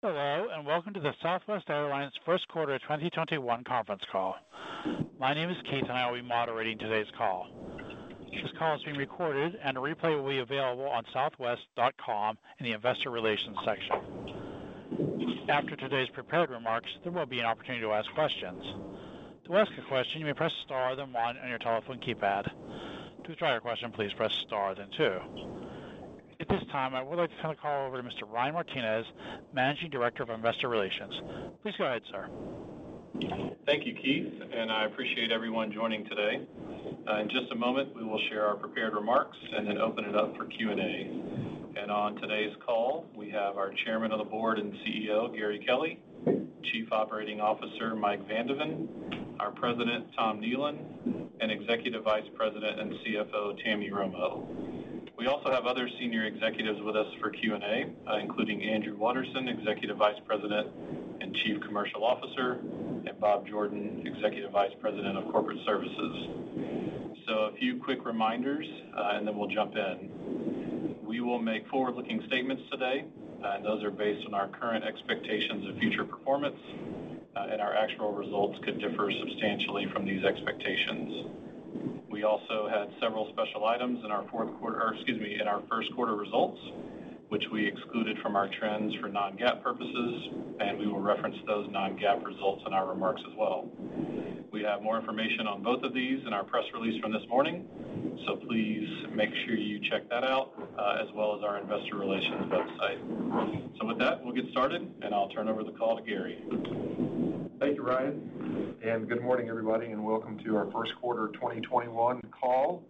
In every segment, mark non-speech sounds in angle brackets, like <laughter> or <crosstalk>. Hello, and welcome to the Southwest Airlines first quarter 2021 conference call. My name is Keith, and I will be moderating today's call. This call is being recorded, and a replay will be available on southwest.com in the investor relations section. After today's prepared remarks, there will be an opportunity to ask questions. At this time, I would like to turn the call over to Mr. Ryan Martinez, Managing Director of Investor Relations. Please go ahead, sir. Thank you, Keith. I appreciate everyone joining today. In just a moment, we will share our prepared remarks and then open it up for Q&A. On today's call, we have our Chairman of the Board and CEO, Gary Kelly, Chief Operating Officer, Mike Van de Ven, our President, Tom Nealon, and Executive Vice President and CFO, Tammy Romo. We also have other senior executives with us for Q&A, including Andrew Watterson, Executive Vice President and Chief Commercial Officer, and Bob Jordan, Executive Vice President of Corporate Services. A few quick reminders, then we'll jump in. We will make forward-looking statements today. Those are based on our current expectations of future performance. Our actual results could differ substantially from these expectations. We also had several special items in our first quarter results, which we excluded from our trends for non-GAAP purposes, and we will reference those non-GAAP results in our remarks as well. We have more information on both of these in our press release from this morning, so please make sure you check that out, as well as our investor relations website. With that, we'll get started, and I'll turn over the call to Gary. Thank you, Ryan, good morning, everybody, and welcome to our first quarter 2021 call.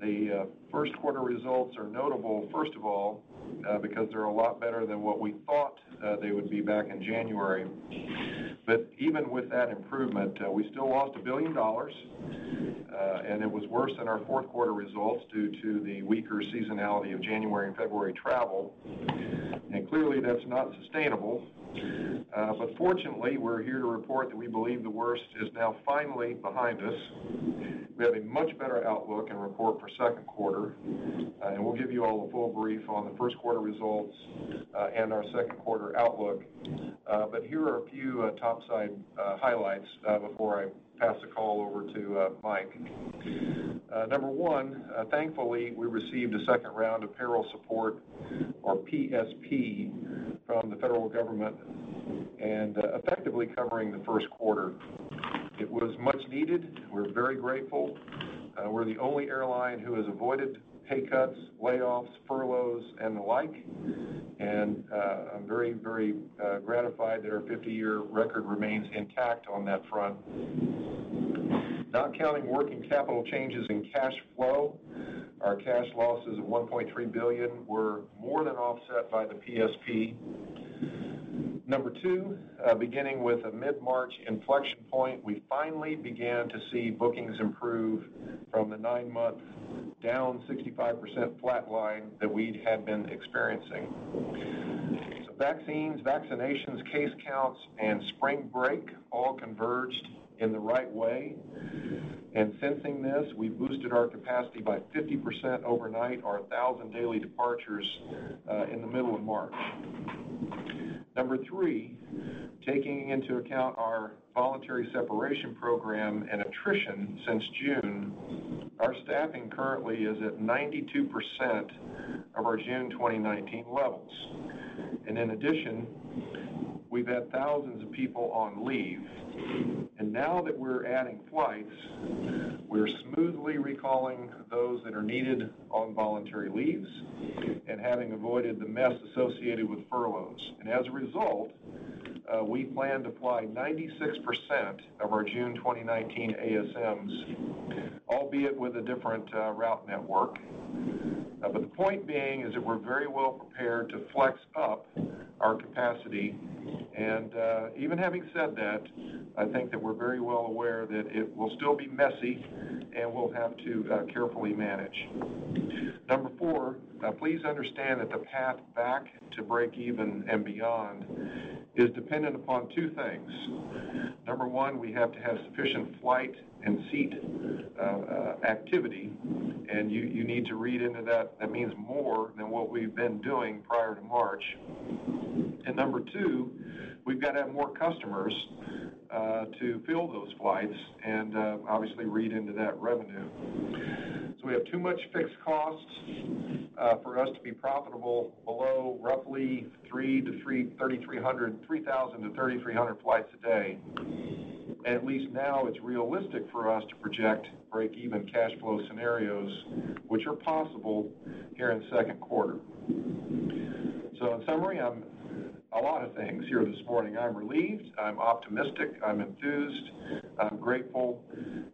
The first quarter results are notable, first of all, because they're a lot better than what we thought they would be back in January. Even with that improvement, we still lost $1 billion, and it was worse than our fourth quarter results due to the weaker seasonality of January and February travel. Clearly, that's not sustainable. Fortunately, we're here to report that we believe the worst is now finally behind us. We have a much better outlook and report for second quarter, and we'll give you all a full brief on the first quarter results and our second quarter outlook. Here are a few top-side highlights before I pass the call over to Mike. Number one, thankfully, we received a second round of Payroll Support or PSP from the federal government, effectively covering the first quarter. It was much needed. We're very grateful. We're the only airline that has avoided pay cuts, layoffs, furloughs, and the like. I'm very gratified that our 50-year record remains intact on that front. Not counting working capital changes in cash flow, our cash losses of $1.3 billion were more than offset by the PSP. Number two, beginning with a mid-March inflection point, we finally began to see bookings improve from the nine-month, down 65% flat line that we had been experiencing. Vaccines, vaccinations, case counts, and spring break all converged in the right way. Sensing this, we boosted our capacity by 50% overnight or 1,000 daily departures in the middle of March. Number three, taking into account our voluntary separation program and attrition since June, our staffing currently is at 92% of our June 2019 levels. In addition, we've had thousands of people on leave. Now that we're adding flights, we're smoothly recalling those that are needed on voluntary leaves and having avoided the mess associated with furloughs. As a result, we plan to fly 96% of our June 2019 ASMs, albeit with a different route network. The point being is that we're very well prepared to flex up our capacity. Even having said that, I think that we're very well aware that it will still be messy, and we'll have to carefully manage. Number four, please understand that the path back to break even and beyond is dependent upon two things. Number one, we have to have sufficient flight and seat activity. You need to read into that means more than what we've been doing prior to March. Number two, we've got to have more customers to fill those flights and obviously read into that revenue. We have too much fixed costs for us to be profitable below roughly 3,000 flights-3,300 flights a day. At least now it's realistic for us to project break-even cash flow scenarios, which are possible here in the second quarter. In summary, I'm a lot of things here this morning. I'm relieved, I'm optimistic, I'm enthused, I'm grateful,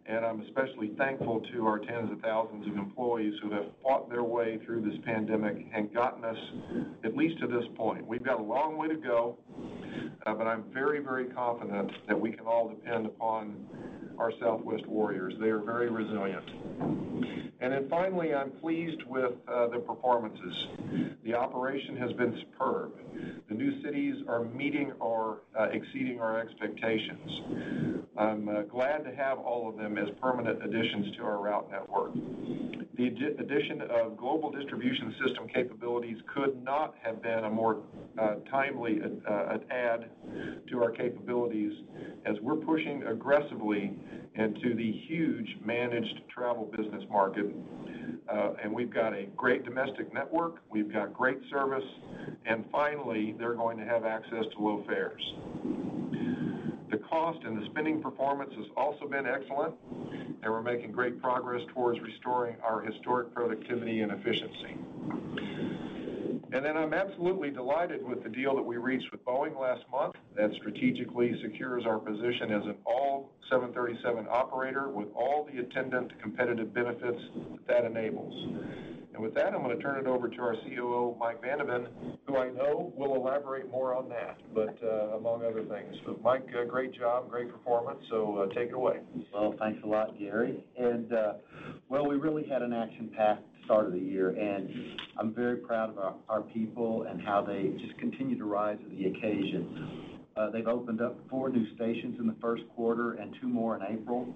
and I'm especially thankful to our tens of thousands of employees who have fought their way through this pandemic and gotten us at least to this point. We've got a long way to go, but I'm very confident that we can all depend upon our Southwest warriors, they are very resilient. Finally, I'm pleased with the performances. The operation has been superb. The new cities are meeting or exceeding our expectations. I'm glad to have all of them as permanent additions to our route network. The addition of Global Distribution System capabilities could not have been a more timely add to our capabilities as we're pushing aggressively into the huge managed travel business market. We've got a great domestic network. We've got great service, and finally, they're going to have access to low fares. The cost and the spending performance has also been excellent, and we're making great progress towards restoring our historic productivity and efficiency. I'm absolutely delighted with the deal that we reached with Boeing last month that strategically secures our position as an all Boeing 737 operator with all the attendant competitive benefits that enables. With that, I'm going to turn it over to our COO, Mike Van de Ven, who I know will elaborate more on that, among other things. Mike, great job, great performance. Take it away. Well, thanks a lot, Gary. Well, we really had an action-packed start of the year, and I'm very proud of our people and how they just continue to rise to the occasion. They've opened up four new stations in the first quarter and two more in April,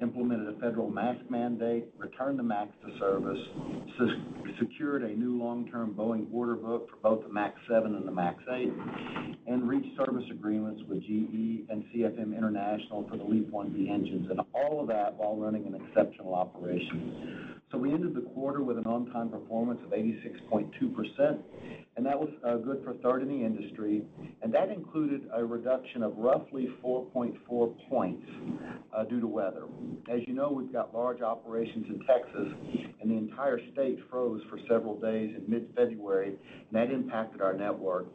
implemented a federal mask mandate, returned the MAX to service, secured a new long-term Boeing order book for both the MAX 7 and the MAX 8, and reached service agreements with GE and CFM International for the LEAP-1B engines, and all of that while running an exceptional operation. We ended the quarter with an on-time performance of 86.2%, and that was good for third in the industry, and that included a reduction of roughly 4.4 points due to weather. As you know, we've got large operations in Texas, and the entire state froze for several days in mid-February, and that impacted our network,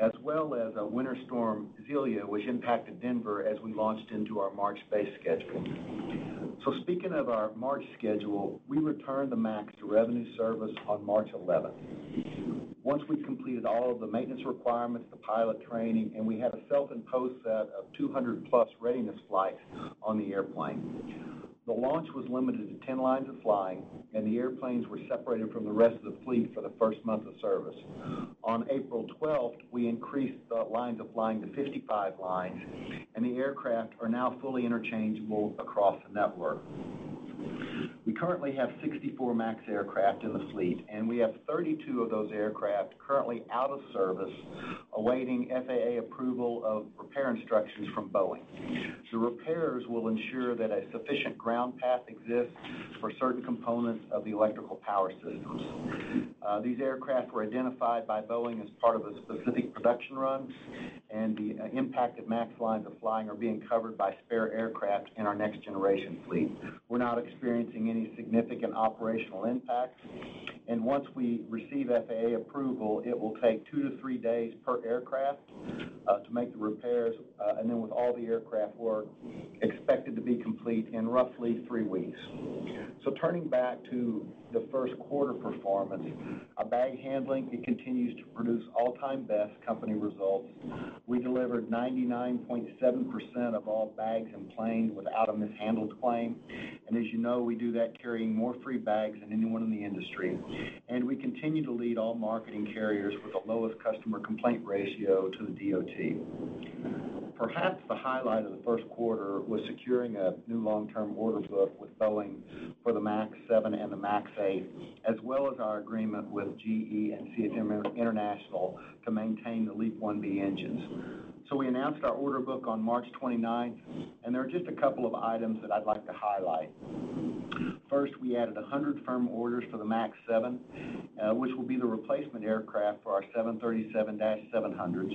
as well as Winter Storm Xylia, which impacted Denver as we launched into our March-based scheduling. Speaking of our March schedule, we returned the MAX to revenue service on March 11th. Once we completed all of the maintenance requirements, the pilot training, and we had a self-imposed set of 200+ readiness flights on the airplane. The launch was limited to 10 lines of flying, and the airplanes were separated from the rest of the fleet for the first month of service. On April 12th, we increased the lines of flying to 55 lines, and the aircraft are now fully interchangeable across the network. We currently have 64 MAX aircraft in the fleet, we have 32 of those aircraft currently out of service, awaiting FAA approval of repair instructions from Boeing. The repairs will ensure that a sufficient ground path exists for certain components of the electrical power systems. These aircraft were identified by Boeing as part of a specific production run, the impacted MAX lines of flying are being covered by spare aircraft in our Next Generation fleet. We're not experiencing any significant operational impacts, once we receive FAA approval, it will take two to three days per aircraft to make the repairs. With all the aircraft work expected to be complete in roughly three weeks. Turning back to the first quarter performance. Our bag handling, it continues to produce all-time best company results. We delivered 99.7% of all bags and planes without a mishandled claim. As you know, we do that carrying more free bags than anyone in the industry. We continue to lead all marketing carriers with the lowest customer complaint ratio to the DOT. Perhaps the highlight of the first quarter was securing a new long-term order book with Boeing for the MAX 7 and the MAX 8, as well as our agreement with GE and CFM International to maintain the LEAP-1B engines. We announced our order book on March 29th, and there are just a couple of items that I'd like to highlight. First, we added 100 firm orders for the MAX 7, which will be the replacement aircraft for our 737-700s.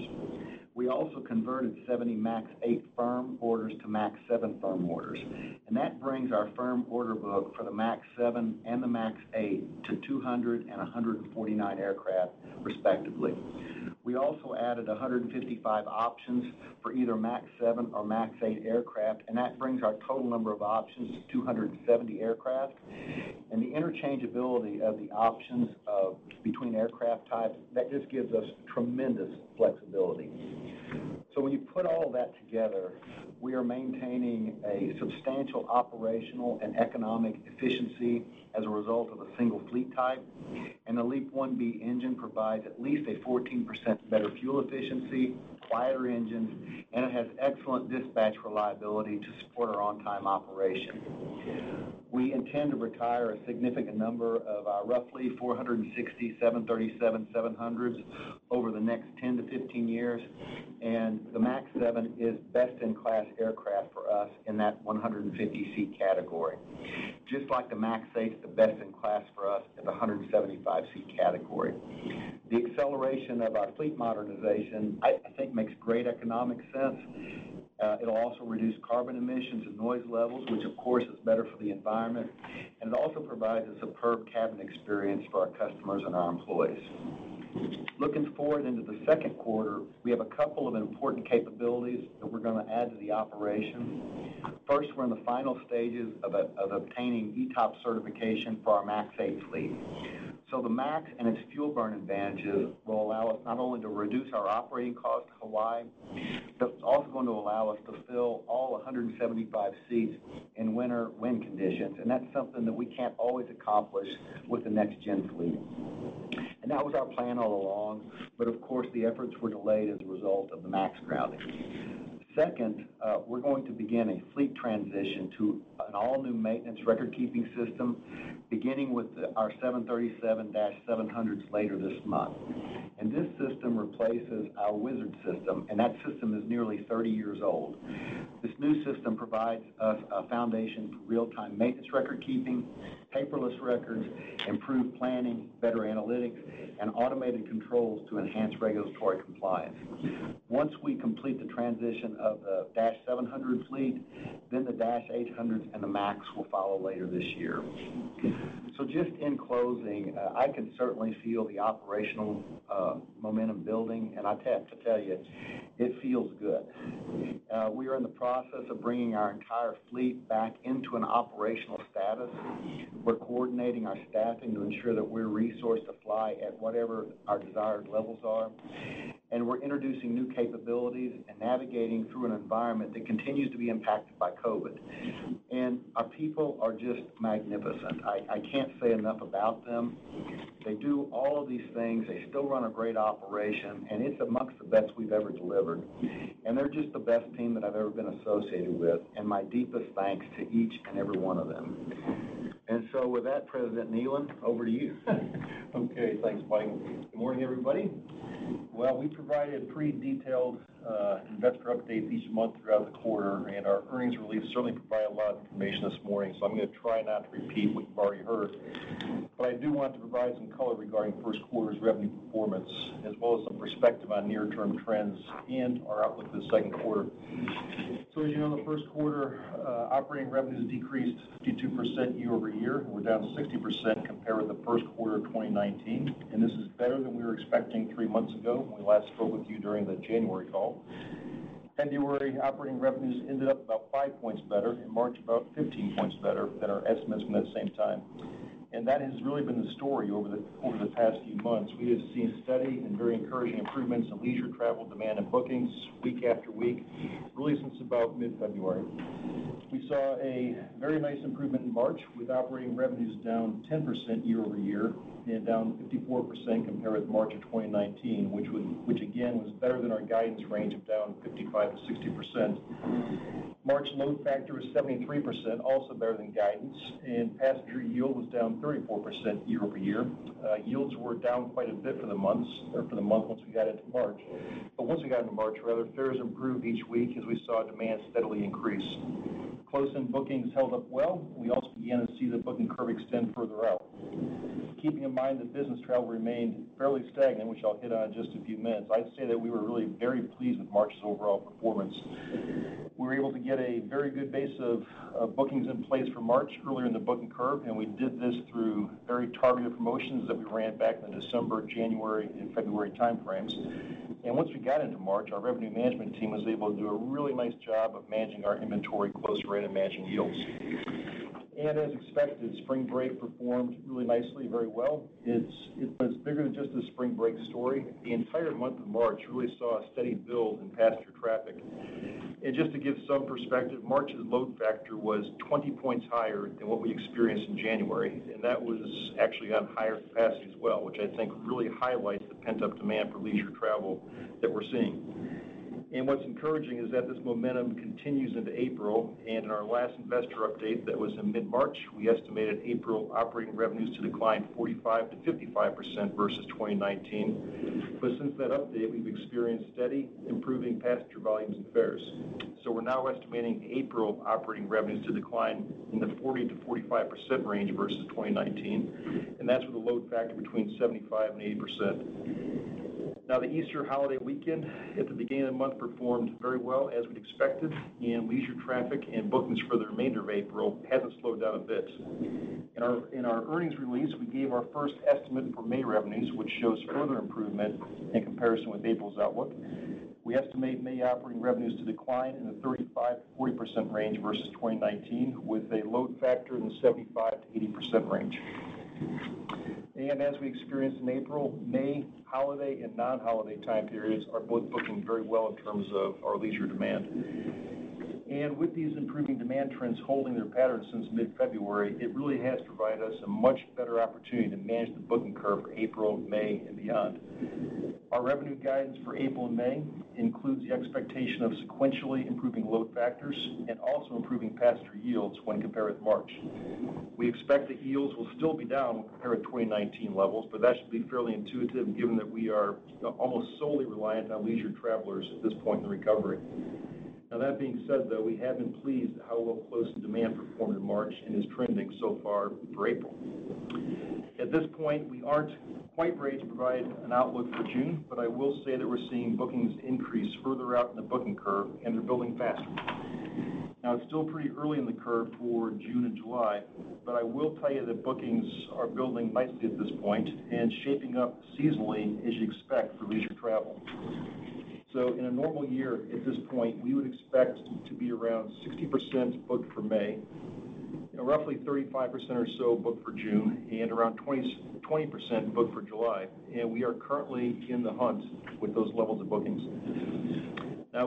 We also converted 70 MAX 8 firm orders to MAX 7 firm orders. That brings our firm order book for the MAX 7 and the MAX 8 to 200 and 149 aircraft, respectively. We also added 155 options for either MAX 7 or MAX 8 aircraft, and that brings our total number of options to 270 aircraft. The interchangeability of the options between aircraft types, that just gives us tremendous flexibility. When you put all that together, we are maintaining a substantial operational and economic efficiency as a result of a single fleet type, and the LEAP-1B engine provides at least a 14% better fuel efficiency, quieter engines, and it has excellent dispatch reliability to support our on-time operation. We intend to retire a significant number of our roughly 460 737-700s over the next 10-15 years, and the MAX 7 is best-in-class aircraft for us in that 150-seat category. Just like the MAX 8 is the best in class for us in the 175-seat category. The acceleration of our fleet modernization, I think makes great economic sense. It'll also reduce carbon emissions and noise levels, which of course, is better for the environment. It also provides a superb cabin experience for our customers and our employees. Looking forward into the second quarter, we have a couple of important capabilities that we're going to add to the operation. First, we're in the final stages of obtaining ETOPS certification for our MAX 8 fleet. The MAX and its fuel burn advantages will allow us not only to reduce our operating costs Hawaii. That's also going to allow us to fill all 175 seats in winter wind conditions, and that's something that we can't always accomplish with the next gen fleet. That was our plan all along, but of course, the efforts were delayed as a result of the MAX grounding. We're going to begin a fleet transition to an all-new maintenance record-keeping system, beginning with our 737-700s later this month. This system replaces our Wizard system, and that system is nearly 30 years old. This new system provides us a foundation for real-time maintenance record-keeping, paperless records, improved planning, better analytics, and automated controls to enhance regulatory compliance. Once we complete the transition of the -700 fleet, the -800s and the MAX will follow later this year. Just in closing, I can certainly feel the operational momentum building, and I have to tell you, it feels good. We are in the process of bringing our entire fleet back into an operational status. We're coordinating our staffing to ensure that we're resourced to fly at whatever our desired levels are. We're introducing new capabilities and navigating through an environment that continues to be impacted by COVID. Our people are just magnificent. I can't say enough about them. They do all of these things. They still run a great operation, and it's amongst the best we've ever delivered. They're just the best team that I've ever been associated with, and my deepest thanks to each and every one of them. With that, President Nealon, over to you. Okay, thanks, Mike. Good morning, everybody. We provided pretty detailed investor updates each month throughout the quarter. Our earnings release certainly provided a lot of information this morning. I'm going to try not to repeat what you've already heard. I do want to provide some color regarding first quarter's revenue performance, as well as some perspective on near-term trends and our outlook for the second quarter. As you know, in the first quarter, operating revenues decreased 52% year-over-year. We're down 60% compared with the first quarter of 2019. This is better than we were expecting three months ago when we last spoke with you during the January call. February operating revenues ended up about five points better. In March, about 15 points better than our estimates from that same time. That has really been the story over the past few months. We have seen steady and very encouraging improvements in leisure travel demand and bookings week after week, really since about mid-February. We saw a very nice improvement in March with operating revenues down 10% year-over-year and down 54% compared with March of 2019, which again, was better than our guidance range of down 55%-60%. March load factor was 73%, also better than guidance, and passenger yield was down 34% year-over-year. Yields were down quite a bit for the months or for the month once we got into March. Once we got into March, rather, fares improved each week as we saw demand steadily increase. Close-in bookings held up well. We also began to see the booking curve extend further out. Keeping in mind that business travel remained fairly stagnant, which I'll hit on in just a few minutes, I'd say that we were really very pleased with March's overall performance. We were able to get a very good base of bookings in place for March earlier in the booking curve, and we did this through very targeted promotions that we ran back in the December, January, and February time frames. Once we got into March, our revenue management team was able to do a really nice job of managing our inventory close rate and managing yields. As expected, spring break performed really nicely, very well. It was bigger than just the spring break story. The entire month of March really saw a steady build in passenger traffic. Just to give some perspective, March's load factor was 20 points higher than what we experienced in January, and that was actually on higher capacity as well, which I think really highlights the pent-up demand for leisure travel that we're seeing. What's encouraging is that this momentum continues into April, and in our last investor update that was in mid-March, we estimated April operating revenues to decline 45%-55% versus 2019. Since that update, we've experienced steady improving passenger volumes and fares. We're now estimating April operating revenues to decline in the 40%-45% range versus 2019, and that's with a load factor between 75% and 80%. The Easter holiday weekend at the beginning of the month performed very well, as we'd expected, and leisure traffic and bookings for the remainder of April hasn't slowed down a bit. In our earnings release, we gave our first estimate for May revenues, which shows further improvement in comparison with April's outlook. We estimate May operating revenues to decline in the 35%-40% range versus 2019, with a load factor in the 75%-80% range. As we experienced in April, May holiday and non-holiday time periods are both booking very well in terms of our leisure demand. With these improving demand trends holding their pattern since mid-February, it really has provided us a much better opportunity to manage the booking curve for April, May, and beyond. Our revenue guidance for April and May includes the expectation of sequentially improving load factors and also improving passenger yields when compared with March. We expect the yields will still be down compared with 2019 levels, but that should be fairly intuitive given that we are almost solely reliant on leisure travelers at this point in the recovery. That being said, though, we have been pleased at how well close-in demand performed in March and is trending so far for April. At this point, we aren't quite ready to provide an outlook for June, but I will say that we're seeing bookings increase further out in the booking curve, and they're building faster. It's still pretty early in the curve for June and July, but I will tell you that bookings are building nicely at this point and shaping up seasonally as you'd expect for leisure travel. In a normal year at this point, we would expect to be around 60% booked for May. Roughly 35% or so booked for June, and around 20% booked for July, and we are currently in the hunt with those levels of bookings.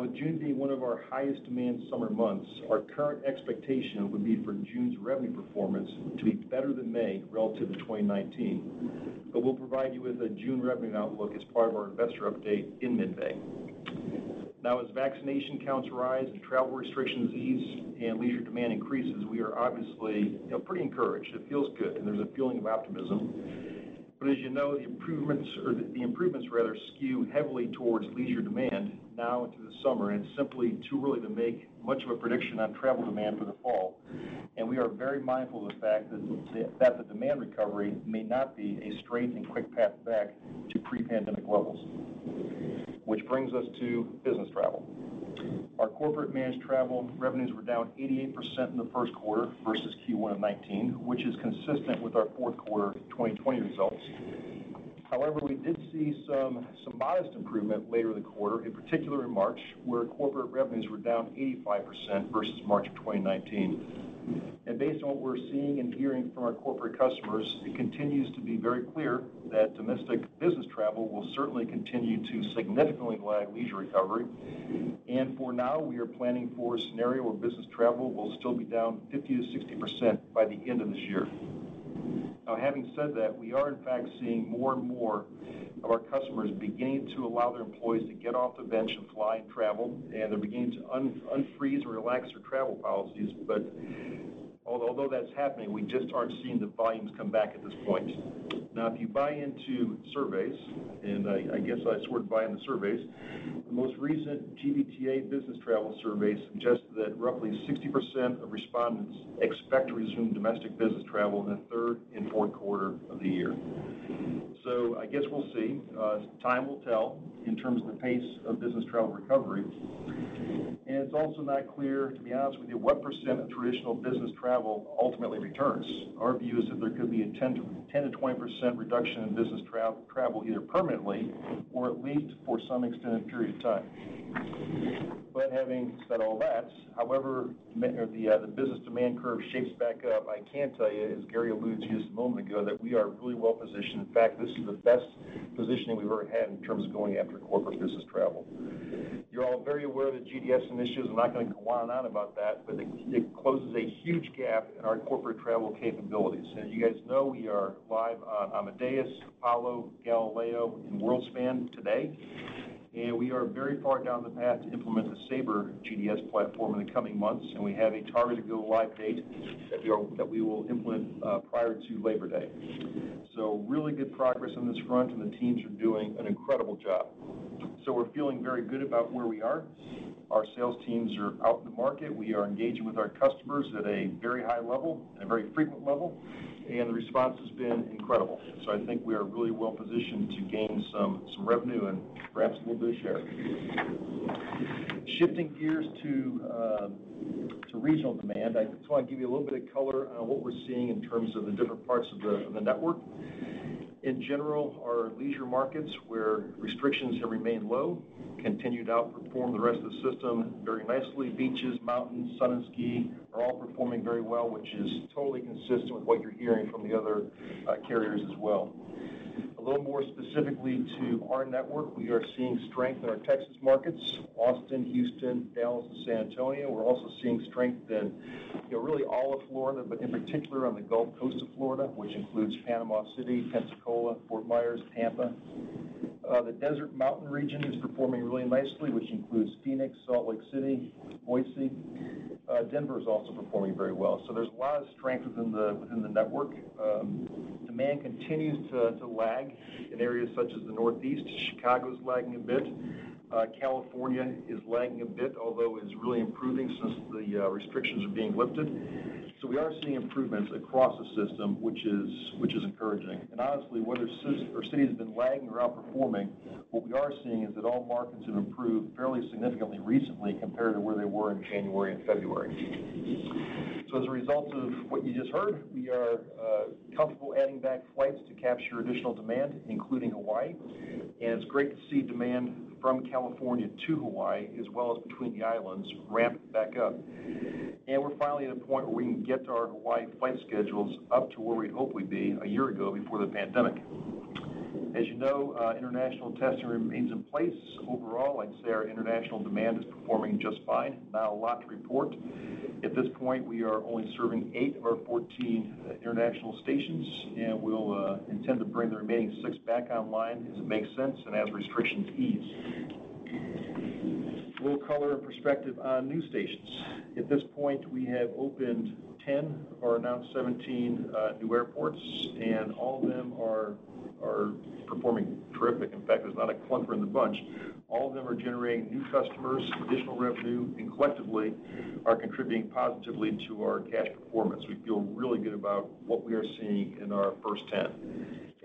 With June being one of our highest demand summer months, our current expectation would be for June's revenue performance to be better than May relative to 2019. We'll provide you with a June revenue outlook as part of our investor update in mid-May. As vaccination counts rise and travel restrictions ease and leisure demand increases, we are obviously pretty encouraged. It feels good, and there's a feeling of optimism. As you know, the improvements are rather skewed heavily towards leisure demand now into the summer and simply too early to make much of a prediction on travel demand for the fall. We are very mindful of the fact that the demand recovery may not be a straight and quick path back to pre-pandemic levels. Which brings us to business travel. Our corporate managed travel revenues were down 88% in the first quarter versus Q1 of 2019, which is consistent with our fourth quarter 2020 results. We did see some modest improvement later in the quarter, in particular in March, where corporate revenues were down 85% versus March of 2019. Based on what we're seeing and hearing from our corporate customers, it continues to be very clear that domestic business travel will certainly continue to significantly lag leisure recovery. For now, we are planning for a scenario where business travel will still be down 50%-60% by the end of this year. Having said that, we are in fact seeing more and more of our customers beginning to allow their employees to get off the bench and fly and travel, and they're beginning to unfreeze or relax their travel policies. Although that's happening, we just aren't seeing the volumes come back at this point. If you buy into surveys, and I guess I sort of buy into surveys, the most recent GBTA business travel survey suggested that roughly 60% of respondents expect to resume domestic business travel in the third and fourth quarter of the year. I guess we'll see. Time will tell in terms of the pace of business travel recovery. It's also not clear, to be honest with you, what % of traditional business travel ultimately returns. Our view is that there could be a 10%-20% reduction in business travel either permanently or at least for some extended period of time. Having said all that, however the business demand curve shapes back up, I can tell you, as Gary alluded to just a moment ago, that we are really well-positioned. In fact, this is the best positioning we've ever had in terms of going after corporate business travel. You're all very aware of the GDS initiatives. I'm not going to go on and on about that, but it closes a huge gap in our corporate travel capabilities. As you guys know, we are live on Amadeus, Apollo, Galileo, and Worldspan today. We are very far down the path to implement the Sabre GDS platform in the coming months, and we have a targeted go-live date that we will implement prior to Labor Day. Really good progress on this front, and the teams are doing an incredible job. We're feeling very good about where we are. Our sales teams are out in the market. We are engaging with our customers at a very high level and a very frequent level, and the response has been incredible. I think we are really well-positioned to gain some revenue and perhaps a little bit of share. Shifting gears to regional demand, I just want to give you a little bit of color on what we're seeing in terms of the different parts of the network. In general, our leisure markets, where restrictions have remained low, continue to outperform the rest of the system very nicely. Beaches, mountains, sun, and ski are all performing very well, which is totally consistent with what you're hearing from the other carriers as well. A little more specifically to our network, we are seeing strength in our Texas markets, Austin, Houston, Dallas, and San Antonio. We're also seeing strength in really all of Florida, but in particular on the Gulf Coast of Florida, which includes Panama City, Pensacola, Fort Myers, Tampa. The Desert Mountain region is performing really nicely, which includes Phoenix, Salt Lake City, Boise. Denver is also performing very well. There's a lot of strength within the network. Demand continues to lag in areas such as the Northeast. Chicago's lagging a bit. California is lagging a bit, although it's really improving since the restrictions are being lifted. We are seeing improvements across the system, which is encouraging. Honestly, whether a city has been lagging or outperforming, what we are seeing is that all markets have improved fairly significantly recently compared to where they were in January and February. As a result of what you just heard, we are comfortable adding back flights to capture additional demand, including Hawaii, and it's great to see demand from California to Hawaii, as well as between the islands, ramp back up. We're finally at a point where we can get to our Hawaii flight schedules up to where we hope we'd be a year ago before the pandemic. As you know, international testing remains in place. Overall, I'd say our international demand is performing just fine. Not a lot to report. At this point, we are only serving eight of our 14 international stations, and we'll intend to bring the remaining six back online as it makes sense and as restrictions ease. A little color and perspective on new stations. At this point, we have opened 10 of our announced 17 new airports, and all of them are performing terrific. In fact, there's not a clunker in the bunch. All of them are generating new customers, additional revenue, and collectively are contributing positively to our cash performance. We feel really good about what we are seeing in our first 10.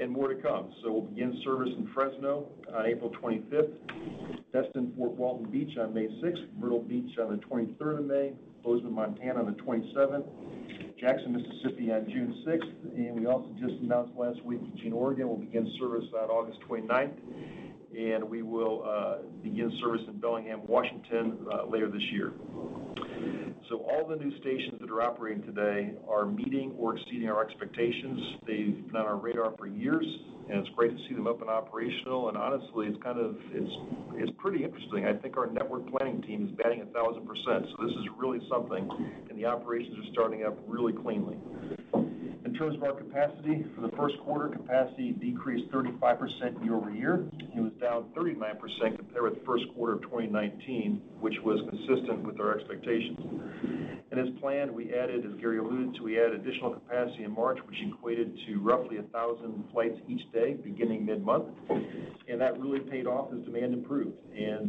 More to come. We'll begin service in Fresno on April 25th, Destin/Fort Walton Beach on May 6th, Myrtle Beach on the 23rd of May, Bozeman, Montana on the 27th, Jackson, Mississippi on June 6th, and we also just announced last week that Eugene, Oregon will begin service on August 29th, and we will begin service in Bellingham, Washington later this year. All the new stations that are operating today are meeting or exceeding our expectations. They've been on our radar for years, and it's great to see them up and operational, and honestly it's pretty interesting. I think our network planning team is batting 1,000%. This is really something. The operations are starting up really cleanly. In terms of our capacity, for the first quarter, capacity decreased 35% year-over-year. It was down 39% compared with the first quarter of 2019, which was consistent with our expectations. As planned, we added, as Gary alluded to, we added additional capacity in March, which equated to roughly 1,000 flights each day, beginning mid-month. That really paid off as demand improved.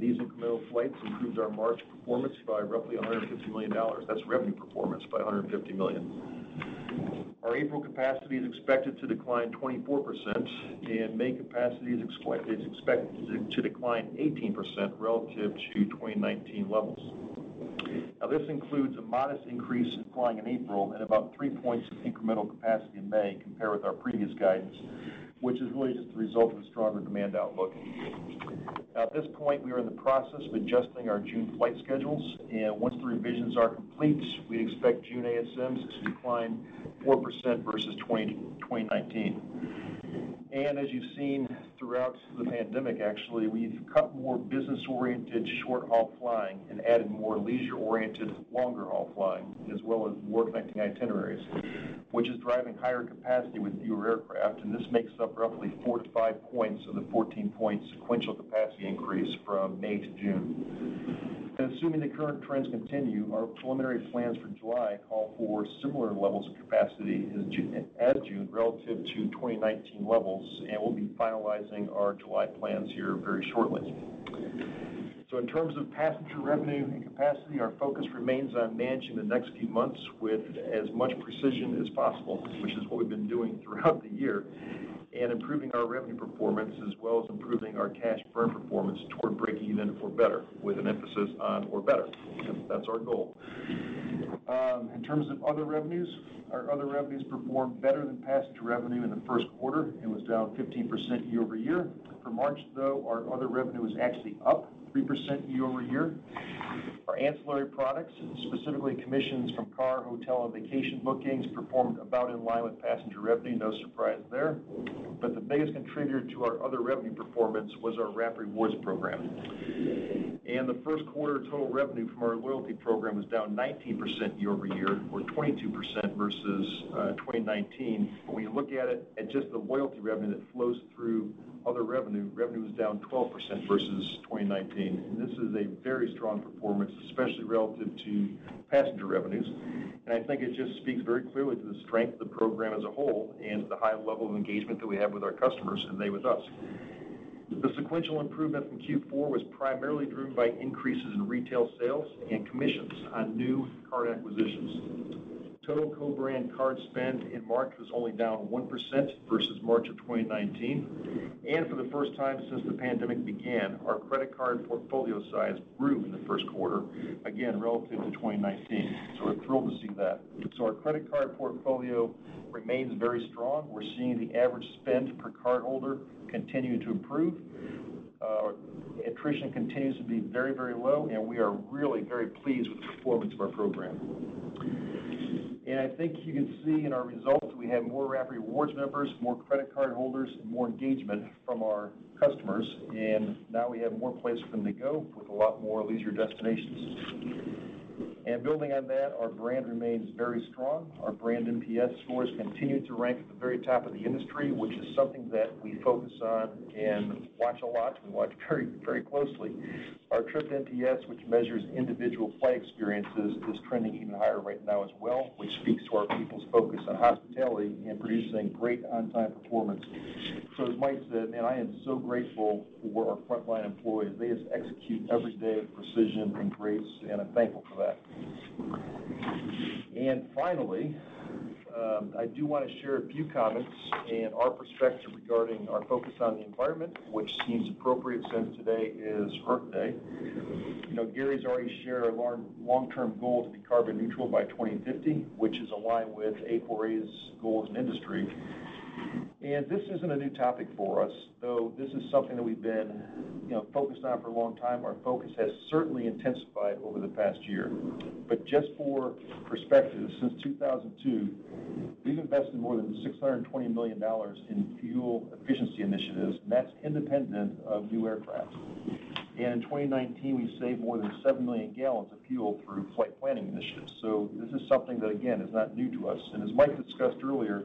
These incremental flights improved our March performance by roughly $150 million. That's revenue performance by $150 million. Our April capacity is expected to decline 24%, and May capacity is expected to decline 18% relative to 2019 levels. This includes a modest increase in flying in April and about 3 points of incremental capacity in May compared with our previous guidance, which is really just the result of a stronger demand outlook. At this point, we are in the process of adjusting our June flight schedules, and once the revisions are complete, we expect June ASMs to decline 4% versus 2019. As you've seen throughout the pandemic actually, we've cut more business-oriented short-haul flying and added more leisure-oriented longer-haul flying, as well as more connecting itineraries, which is driving higher capacity with fewer aircraft. This makes up roughly 4 points-5 points of the 14-point sequential capacity increase from May to June. Assuming the current trends continue, our preliminary plans for July call for similar levels of capacity as June relative to 2019 levels, and we'll be finalizing our July plans here very shortly. In terms of passenger revenue and capacity, our focus remains on managing the next few months with as much precision as possible, which is what we've been doing throughout the year, and improving our revenue performance as well as improving our cash burn performance toward breaking even or better, with an emphasis on or better. That's our goal. In terms of other revenues, our other revenues performed better than passenger revenue in the first quarter and was down 15% year-over-year. For March, though, our other revenue was actually up 3% year-over-year. Our ancillary products, specifically commissions from car, hotel, and vacation bookings, performed about in line with passenger revenue. No surprise there. The biggest contributor to our other revenue performance was our Rapid Rewards program. The first quarter total revenue from our loyalty program was down 19% year-over-year, or 22% versus 2019. When you look at it at just the loyalty revenue that flows through other revenue was down 12% versus 2019. This is a very strong performance, especially relative to passenger revenues. I think it just speaks very clearly to the strength of the program as a whole and the high level of engagement that we have with our customers and they with us. The sequential improvement from Q4 was primarily driven by increases in retail sales and commissions on new card acquisitions. Total co-brand card spend in March was only down 1% versus March of 2019. For the first time since the pandemic began, our credit card portfolio size grew in the first quarter, again, relative to 2019. We're thrilled to see that. Our credit card portfolio remains very strong. We're seeing the average spend per cardholder continue to improve. Attrition continues to be very low, and we are really very pleased with the performance of our program. I think you can see in our results, we have more Rapid Rewards members, more credit card holders, and more engagement from our customers. Now we have more places for them to go with a lot more leisure destinations. Building on that, our brand remains very strong. Our brand NPS scores continue to rank at the very top of the industry, which is something that we focus on and watch a lot. We watch very closely. Our trip NPS, which measures individual flight experiences, is trending even higher right now as well, which speaks to our people's focus on hospitality and producing great on-time performance. As Mike said, man, I am so grateful for our frontline employees. They just execute every day with precision and grace, and I'm thankful for that. Finally, I do want to share a few comments and our perspective regarding our focus on the environment, which seems appropriate since today is Earth Day. Gary's already shared our long-term goal to be carbon neutral by 2050, which is aligned with A4A's goal as an industry. This isn't a new topic for us, though this is something that we've been focused on for a long time. Our focus has certainly intensified over the past year. Just for perspective, since 2002, we've invested more than $620 million in fuel efficiency initiatives, and that's independent of new aircraft. In 2019, we saved more than 7 million gallons of fuel through flight planning initiatives. This is something that, again, is not new to us. As Mike discussed earlier,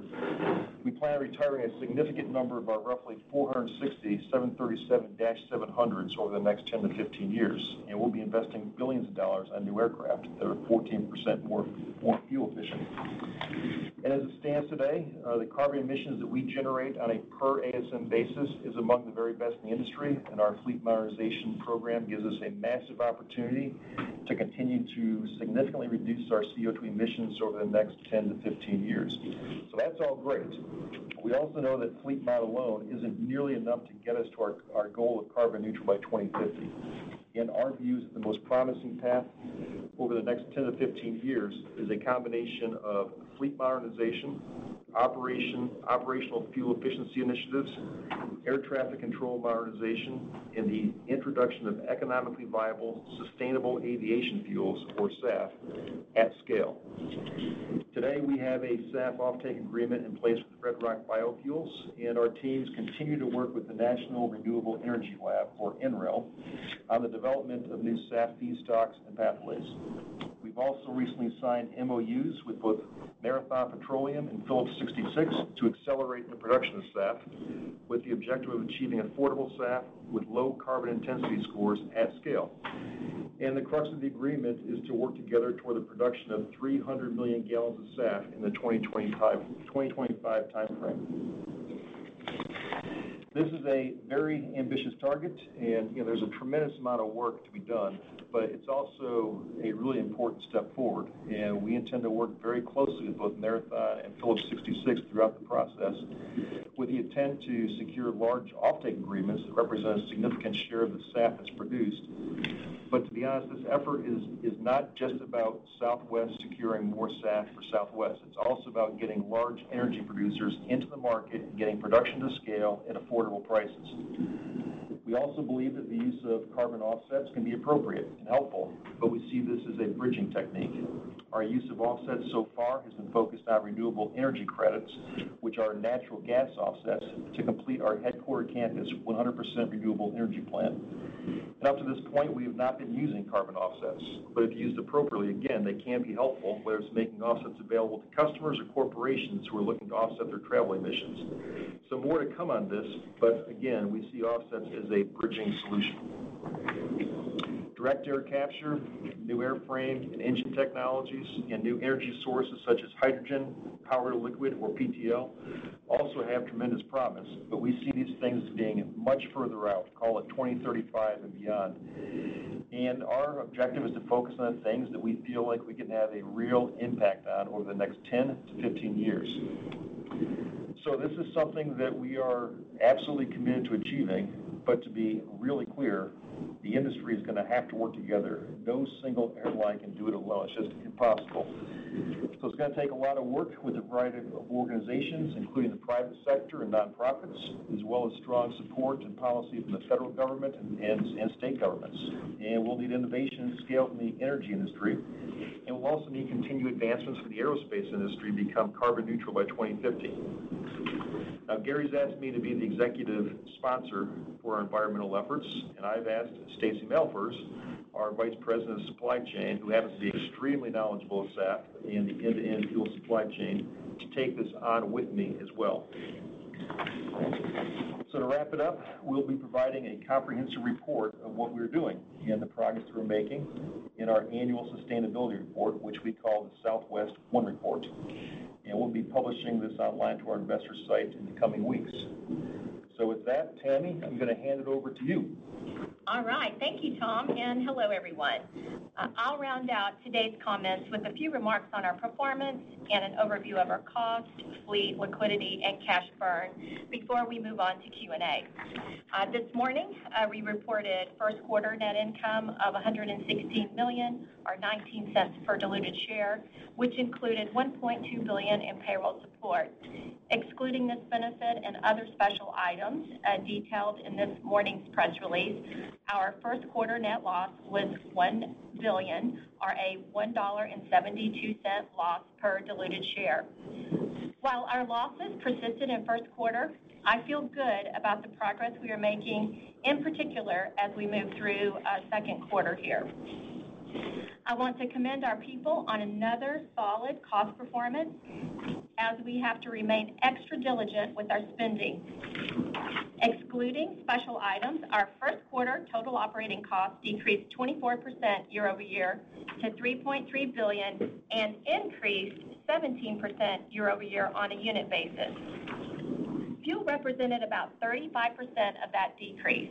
we plan on retiring a significant number of our roughly 460 737-700s over the next 10 years-15 years. We'll be investing billions of dollars on new aircraft that are 14% more fuel efficient. As it stands today, the carbon emissions that we generate on a per ASM basis is among the very best in the industry, and our fleet modernization program gives us a massive opportunity to continue to significantly reduce our CO2 emissions over the next 10 years-15 years. That's all great. We also know that fleet mod alone isn't nearly enough to get us to our goal of carbon neutral by 2050. In our views, the most promising path over the next 10 years-15 years is a combination of fleet modernization, operational fuel efficiency initiatives, air traffic control modernization, and the introduction of economically viable, sustainable aviation fuels, or SAF, at scale. Today, we have a SAF offtake agreement in place with Red Rock Biofuels, and our teams continue to work with the National Renewable Energy Lab, or NREL, on the development of new SAF feedstocks and pathways. We've also recently signed MOUs with both Marathon Petroleum and Phillips 66 to accelerate the production of SAF with the objective of achieving affordable SAF with low carbon intensity scores at scale. The crux of the agreement is to work together toward the production of 300 million gallons of SAF in the 2025 timeframe. This is a very ambitious target and there's a tremendous amount of work to be done, but it's also a really important step forward, and we intend to work very closely with both Marathon and Phillips 66 throughout the process with the intent to secure large offtake agreements that represent a significant share of the SAF that's produced. To be honest, this effort is not just about Southwest securing more SAF for Southwest. It's also about getting large energy producers into the market and getting production to scale at affordable prices. We also believe that the use of carbon offsets can be appropriate and helpful, but we see this as a bridging technique. Our use of offsets so far has been focused on renewable energy credits, which are natural gas offsets, to complete our headquarter campus 100% renewable energy plan. Up to this point, we have not been using carbon offsets, but if used appropriately, again, they can be helpful, whether it's making offsets available to customers or corporations who are looking to offset their travel emissions. More to come on this, but again, we see offsets as a bridging solution. Direct air capture, new airframe and engine technologies, and new energy sources such as hydrogen, power-to-liquid or PtL, also have tremendous promise, but we see these things as being much further out, call it 2035 and beyond. Our objective is to focus on things that we feel like we can have a real impact on over the next 10 years-15 years. This is something that we are absolutely committed to achieving, but to be really clear, the industry is going to have to work together. No single airline can do it alone. It's just impossible. It's going to take a lot of work with a variety of organizations, including the private sector and nonprofits, as well as strong support and policy from the federal government and state governments. We'll need innovation and scale from the energy industry, and we'll also need continued advancements for the aerospace industry to become carbon neutral by 2050. Gary's asked me to be the executive sponsor for our environmental efforts, and I've asked Stacy Malphurs, our Vice President of Supply Chain, who happens to be extremely knowledgeable of SAF and the end-to-end fuel supply chain, to take this on with me as well. To wrap it up, we'll be providing a comprehensive report of what we're doing and the progress we're making in our annual sustainability report, which we call the Southwest One Report, and we'll be publishing this online to our investors site in the coming weeks. With that, Tammy, I'm going to hand it over to you. All right. Thank you, Tom. Hello, everyone. I'll round out today's comments with a few remarks on our performance and an overview of our cost, fleet, liquidity, and cash burn before we move on to Q&A. This morning, we reported first quarter net income of $116 million or $0.19 per diluted share, which included $1.2 billion in payroll support. Excluding this benefit and other special items detailed in this morning's press release, our first quarter net loss was $1 billion or a $1.72 loss per diluted share. While our losses persisted in first quarter, I feel good about the progress we are making, in particular as we move through second quarter here. I want to commend our people on another solid cost performance as we have to remain extra diligent with our spending. Excluding special items, our first quarter total operating cost decreased 24% year-over-year to $3.3 billion and increased 17% year-over-year on a unit basis. Fuel represented about 35% of that decrease.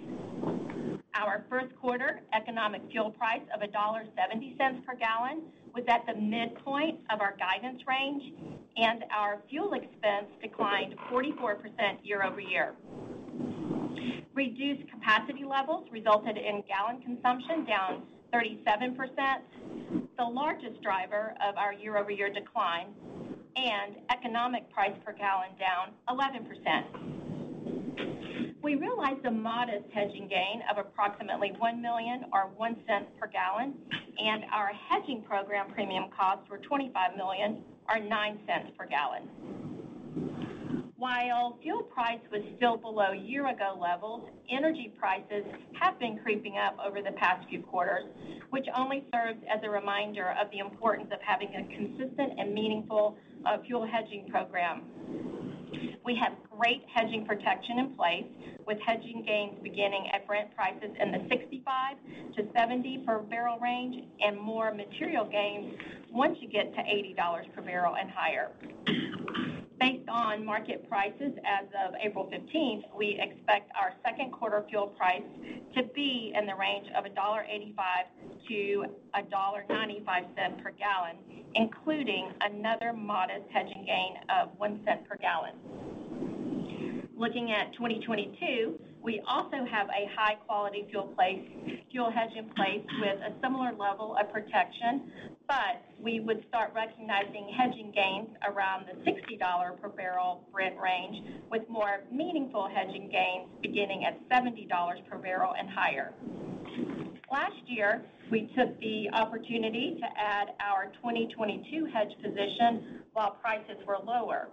Our first quarter economic fuel price of $1.70 per gallon was at the midpoint of our guidance range, and our fuel expense declined 44% year-over-year. Reduced capacity levels resulted in gallon consumption down 37%, the largest driver of our year-over-year decline, and economic price per gallon down 11%. We realized a modest hedging gain of approximately $1 million or $0.01 per gallon, and our hedging program premium costs were $25 million or $0.09 per gallon. While fuel price was still below year-ago levels, energy prices have been creeping up over the past few quarters, which only serves as a reminder of the importance of having a consistent and meaningful fuel hedging program. We have great hedging protection in place with hedging gains beginning at Brent prices in the $65-$70 per barrel range and more material gains once you get to $80 per barrel and higher. Based on market prices as of April 15th, we expect our second quarter fuel price to be in the range of $1.85-$1.95 per gallon, including another modest hedging gain of $0.01 per gallon. Looking at 2022, we also have a high-quality fuel hedge in place with a similar level of protection. We would start recognizing hedging gains around the $60 per barrel Brent range, with more meaningful hedging gains beginning at $70 per barrel and higher. Last year, we took the opportunity to add our 2022 hedge position while prices were lower.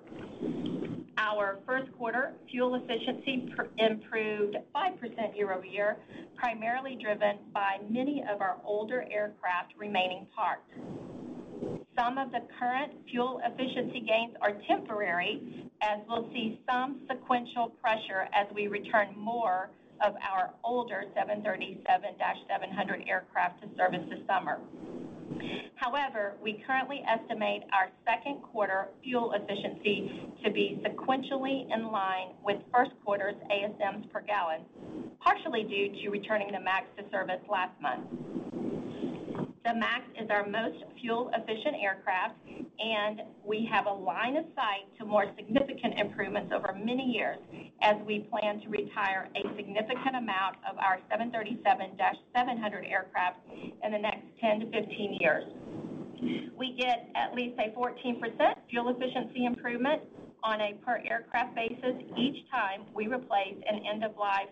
Our first quarter fuel efficiency improved 5% year-over-year, primarily driven by many of our older aircraft remaining parked. Some of the current fuel efficiency gains are temporary, as we'll see some sequential pressure as we return more of our older 737-700 aircraft to service this summer. We currently estimate our second quarter fuel efficiency to be sequentially in line with first quarter's ASMs per gallon, partially due to returning the MAX to service last month. The MAX is our most fuel-efficient aircraft, and we have a line of sight to more significant improvements over many years as we plan to retire a significant amount of our 737-700 aircraft in the next 10 to 15 years. We get at least a 14% fuel efficiency improvement on a per aircraft basis each time we replace an end-of-life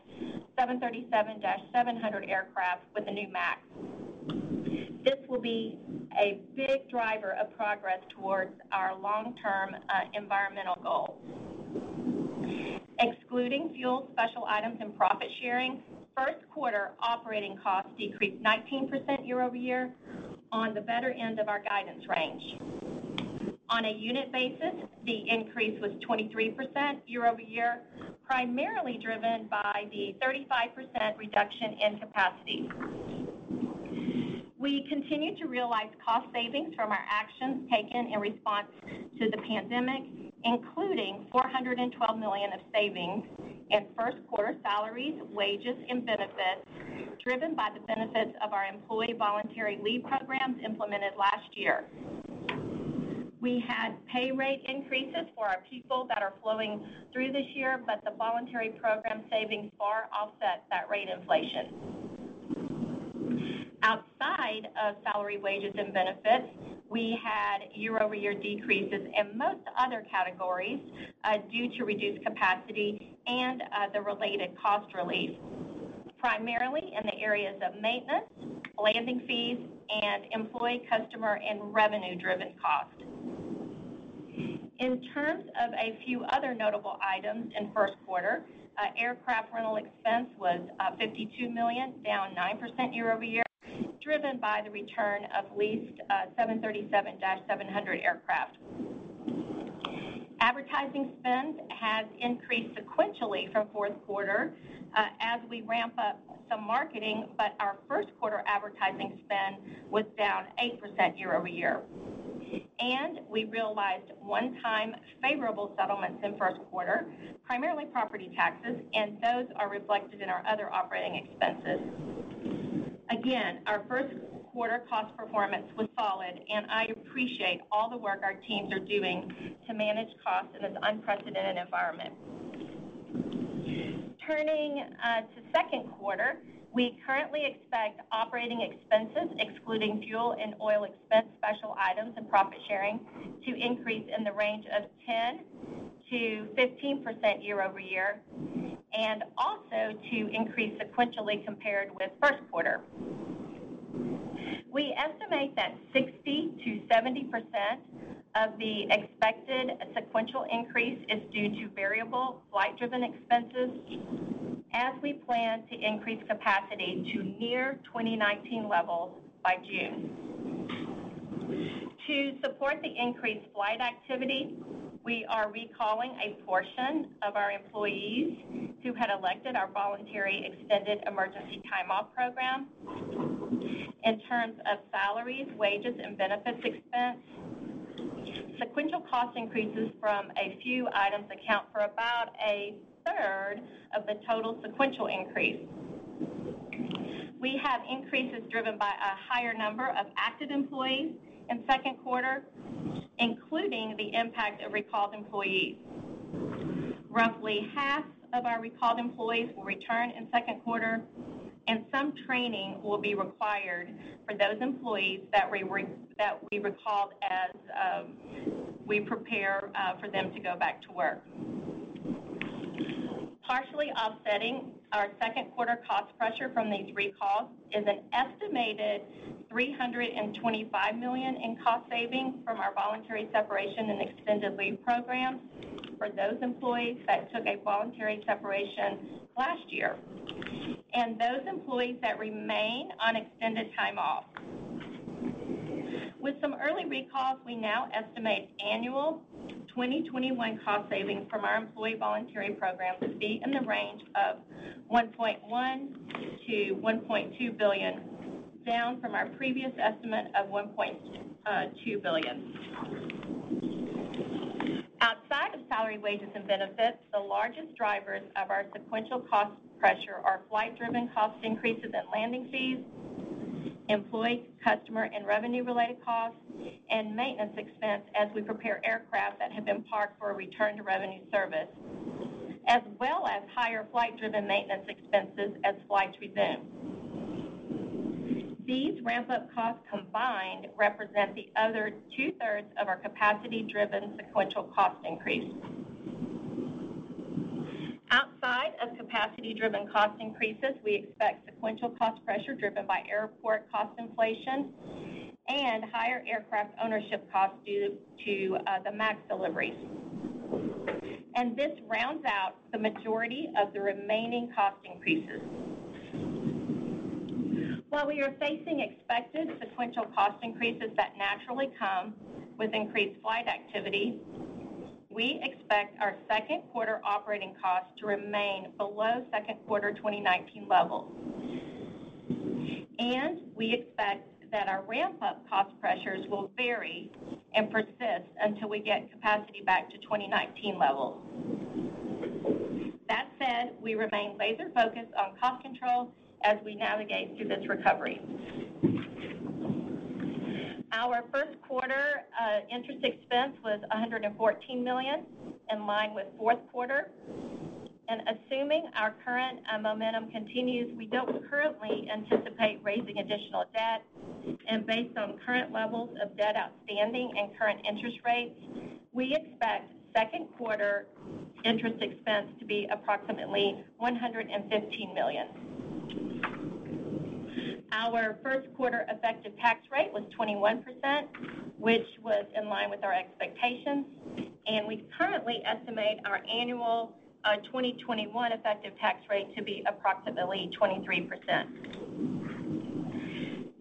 737-700 aircraft with a new MAX. This will be a big driver of progress towards our long-term environmental goals. Excluding fuel, special items, and profit sharing, first quarter operating costs decreased 19% year-over-year on the better end of our guidance range. On a unit basis, the increase was 23% year-over-year, primarily driven by the 35% reduction in capacity. We continue to realize cost savings from our actions taken in response to the pandemic, including $412 million of savings in first quarter salaries, wages, and benefits, driven by the benefits of our employee voluntary leave programs implemented last year. We had pay rate increases for our people that are flowing through this year, but the voluntary program savings far offset that rate inflation. Outside of salary, wages, and benefits, we had year-over-year decreases in most other categories due to reduced capacity and the related cost relief, primarily in the areas of maintenance, landing fees, and employee, customer, and revenue-driven costs. In terms of a few other notable items in first quarter, aircraft rental expense was $52 million, down 9% year-over-year, driven by the return of leased 737-700 aircraft. Advertising spend has increased sequentially from fourth quarter as we ramp up some marketing. Our first quarter advertising spend was down 8% year-over-year. We realized one-time favorable settlements in first quarter, primarily property taxes, and those are reflected in our other operating expenses. Again, our first quarter cost performance was solid, and I appreciate all the work our teams are doing to manage costs in this unprecedented environment. Turning to second quarter, we currently expect operating expenses, excluding fuel and oil expense special items and profit sharing, to increase in the range of 10%-15% year-over-year, and also to increase sequentially compared with first quarter. We estimate that 60%-70% of the expected sequential increase is due to variable flight-driven expenses as we plan to increase capacity to near 2019 levels by June. To support the increased flight activity, we are recalling a portion of our employees who had elected our voluntary Extended Emergency Time Off program. In terms of salaries, wages, and benefits expense, sequential cost increases from a few items account for about a third of the total sequential increase. We have increases driven by a higher number of active employees in second quarter, including the impact of recalled employees. Roughly half of our recalled employees will return in second quarter. Some training will be required for those employees that we recalled as we prepare for them to go back to work. Partially offsetting our second quarter cost pressure from these recalls is an estimated $325 million in cost savings from our voluntary separation and extended leave programs for those employees that took a voluntary separation last year and those employees that remain on Extended Time Off. With some early recalls, we now estimate annual 2021 cost savings from our employee voluntary program to be in the range of $1.1 billion-$1.2 billion, down from our previous estimate of $1.2 billion. Outside of salary, wages, and benefits, the largest drivers of our sequential cost pressure are flight-driven cost increases and landing fees, employee, customer, and revenue-related costs, and maintenance expense as we prepare aircraft that have been parked for a return to revenue service, as well as higher flight-driven maintenance expenses as flights resume. These ramp-up costs combined represent the other two-thirds of our capacity-driven sequential cost increase. Outside of capacity-driven cost increases, we expect sequential cost pressure driven by airport cost inflation and higher aircraft ownership costs due to the MAX deliveries. This rounds out the majority of the remaining cost increases. While we are facing expected sequential cost increases that naturally come with increased flight activity, we expect our second quarter operating costs to remain below second quarter 2019 levels. We expect that our ramp-up cost pressures will vary and persist until we get capacity back to 2019 levels. That said, we remain laser-focused on cost control as we navigate through this recovery. Our first quarter interest expense was $114 million, in line with fourth quarter. Assuming our current momentum continues, we don't currently anticipate raising additional debt, and based on current levels of debt outstanding and current interest rates, we expect second quarter interest expense to be approximately $115 million. Our first quarter effective tax rate was 21%, which was in line with our expectations, and we currently estimate our annual 2021 effective tax rate to be approximately 23%.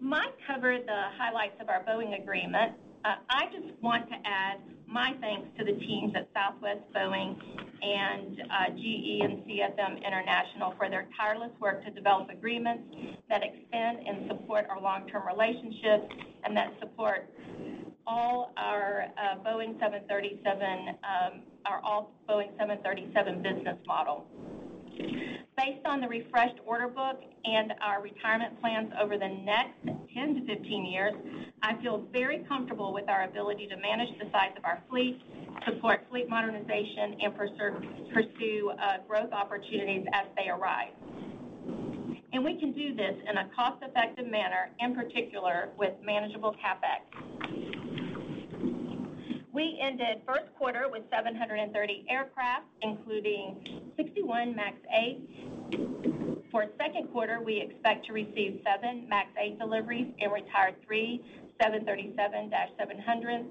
Mike covered the highlights of our Boeing agreement. I just want to add my thanks to the teams at Southwest Boeing and CFM International for their tireless work to develop agreements that extend and support our long-term relationships and that support all our Boeing 737 business model. Based on the refreshed order book and our retirement plans over the next 10 to 15 years, I feel very comfortable with our ability to manage the size of our fleet, support fleet modernization, and pursue growth opportunities as they arise. We can do this in a cost-effective manner, in particular with manageable CapEx. We ended first quarter with 730 aircraft, including 61 MAX 8s. For second quarter, we expect to receive seven MAX 8 deliveries and retire three 737-700s.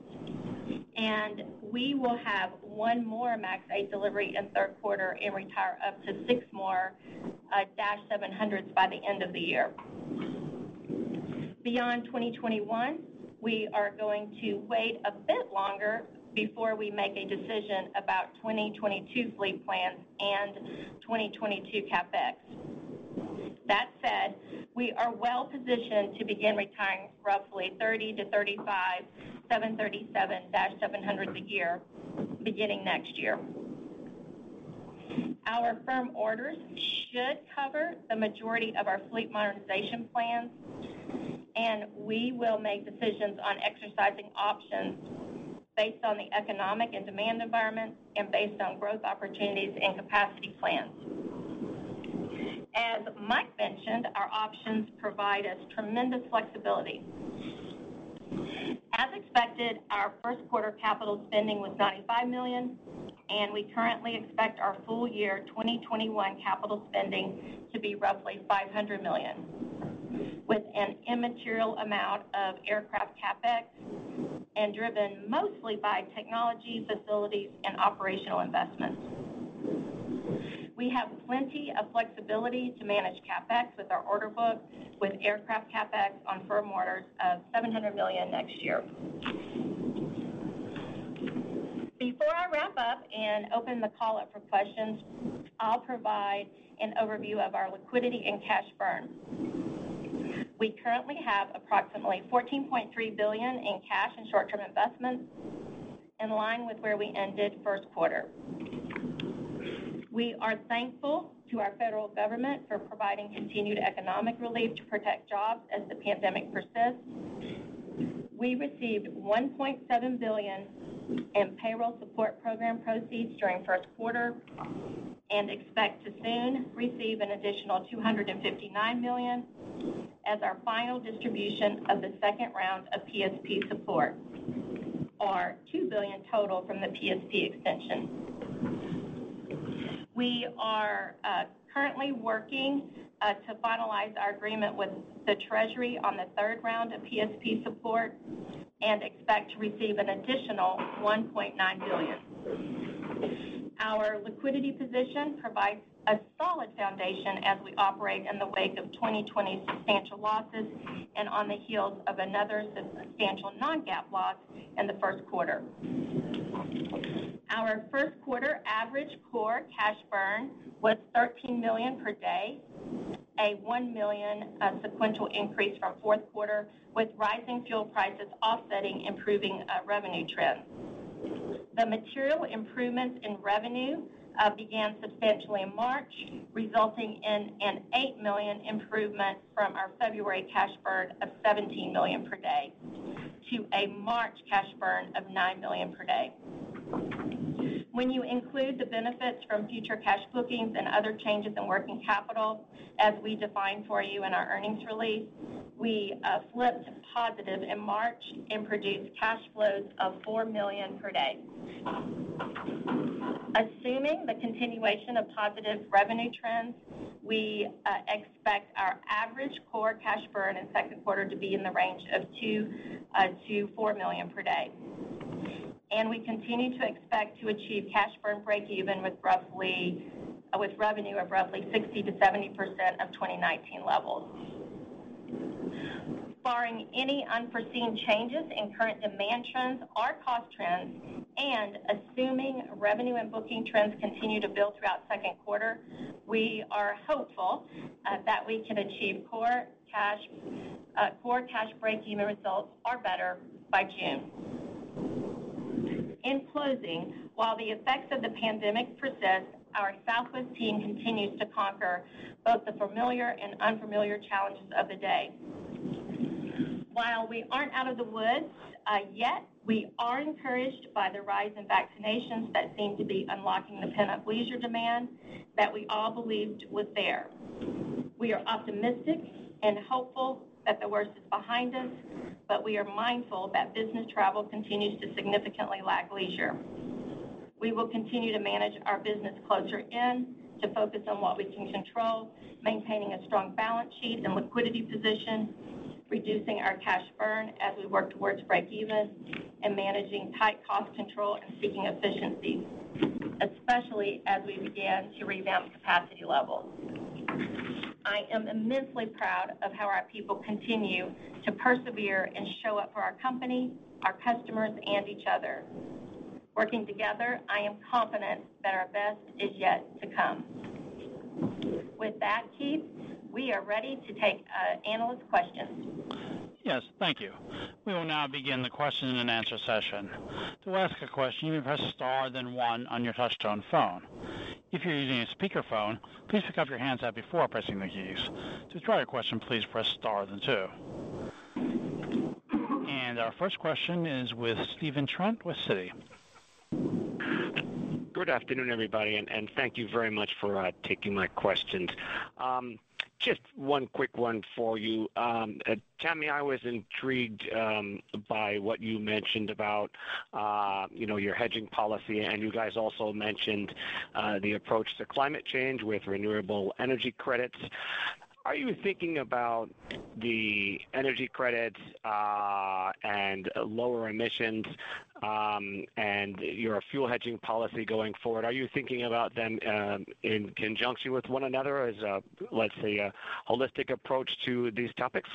We will have one more MAX 8 delivery in third quarter and retire up to six more -700s by the end of the year. Beyond 2021, we are going to wait a bit longer before we make a decision about 2022 fleet plans and 2022 CapEx. That said, we are well-positioned to begin retiring roughly 30 to 35 737-700s a year beginning next year. Our firm orders should cover the majority of our fleet modernization plans, and we will make decisions on exercising options based on the economic and demand environment and based on growth opportunities and capacity plans. As Mike mentioned, our options provide us tremendous flexibility. As expected, our first quarter capital spending was $95 million, and we currently expect our full year 2021 capital spending to be roughly $500 million, with an immaterial amount of aircraft CapEx and driven mostly by technology, facilities, and operational investments. We have plenty of flexibility to manage CapEx with our order book, with aircraft CapEx on firm orders of $700 million next year. Before I wrap up and open the call up for questions, I will provide an overview of our liquidity and cash burn. We currently have approximately $14.3 billion in cash and short-term investments, in line with where we ended first quarter. We are thankful to our federal government for providing continued economic relief to protect jobs as the pandemic persists. We received $1.7 billion in Payroll Support Program proceeds during first quarter and expect to soon receive an additional $259 million as our final distribution of the second round of PSP support, our $2 billion total from the PSP extension. We are currently working to finalize our agreement with the Treasury on the third round of PSP support and expect to receive an additional $1.9 billion. Our liquidity position provides a solid foundation as we operate in the wake of 2020's substantial losses and on the heels of another substantial non-GAAP loss in the first quarter. Our first quarter average core cash burn was $13 million per day. A $1 million sequential increase from fourth quarter, with rising fuel prices offsetting improving revenue trends. The material improvements in revenue began substantially in March, resulting in an $8 million improvement from our February cash burn of $17 million per day to a March cash burn of $9 million per day. When you include the benefits from future cash bookings and other changes in working capital, as we define for you in our earnings release, we flipped positive in March and produced cash flows of $4 million per day. Assuming the continuation of positive revenue trends, we expect our average core cash burn in second quarter to be in the range of $2 million-$4 million per day. We continue to expect to achieve cash burn breakeven with revenue of roughly 60%-70% of 2019 levels. Barring any unforeseen changes in current demand trends or cost trends, and assuming revenue and booking trends continue to build throughout second quarter, we are hopeful that we can achieve core cash breakeven results are better by June. In closing, while the effects of the pandemic persist, our Southwest team continues to conquer both the familiar and unfamiliar challenges of the day. While we aren't out of the woods yet, we are encouraged by the rise in vaccinations that seem to be unlocking the pent-up leisure demand that we all believed was there. We are optimistic and hopeful that the worst is behind us. We are mindful that business travel continues to significantly lag leisure. We will continue to manage our business closely to focus on what we can control, maintaining a strong balance sheet and liquidity position, reducing our cash burn as we work towards breakeven, and managing tight cost control and seeking efficiency, especially as we begin to ramp capacity levels. I am immensely proud of how our people continue to persevere and show up for our company, our customers, and each other. Working together, I am confident that our best is yet to come. With that, Keith, we are ready to take analyst questions. Yes, thank you. We will now begin the question and answer session. Our first question is with Stephen Trent with Citi. Good afternoon, everybody, and thank you very much for taking my questions. Just one quick one for you. Tammy, I was intrigued by what you mentioned about your hedging policy, and you guys also mentioned the approach to climate change with renewable energy credits. Are you thinking about the energy credits and lower emissions and your fuel hedging policy going forward? Are you thinking about them in conjunction with one another as a, let's say, a holistic approach to these topics?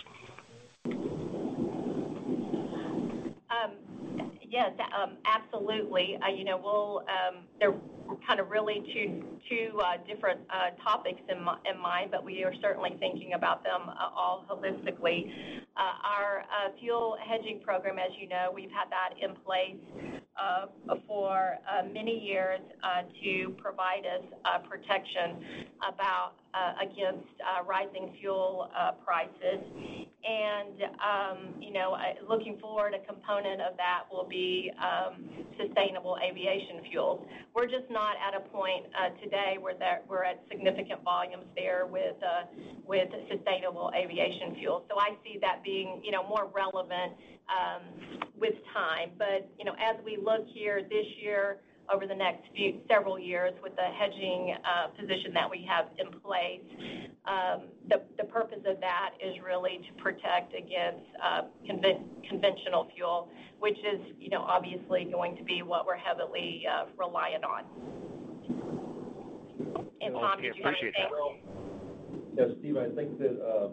Yes, absolutely. There are really two different topics in mind, but we are certainly thinking about them all holistically. Our fuel hedging program, as you know, we've had that in place for many years to provide us protection against rising fuel prices. Looking forward, a component of that will be sustainable aviation fuels. We're just not at a point today where we're at significant volumes there with sustainable aviation fuel. I see that being more relevant with time. As we look here this year, over the next several years with the hedging position that we have in place, the purpose of that is really to protect against conventional fuel, which is obviously going to be what we're heavily reliant on. Tom, do you want to add anything? Okay, I appreciate that. <crosstalk> Stephen, I think that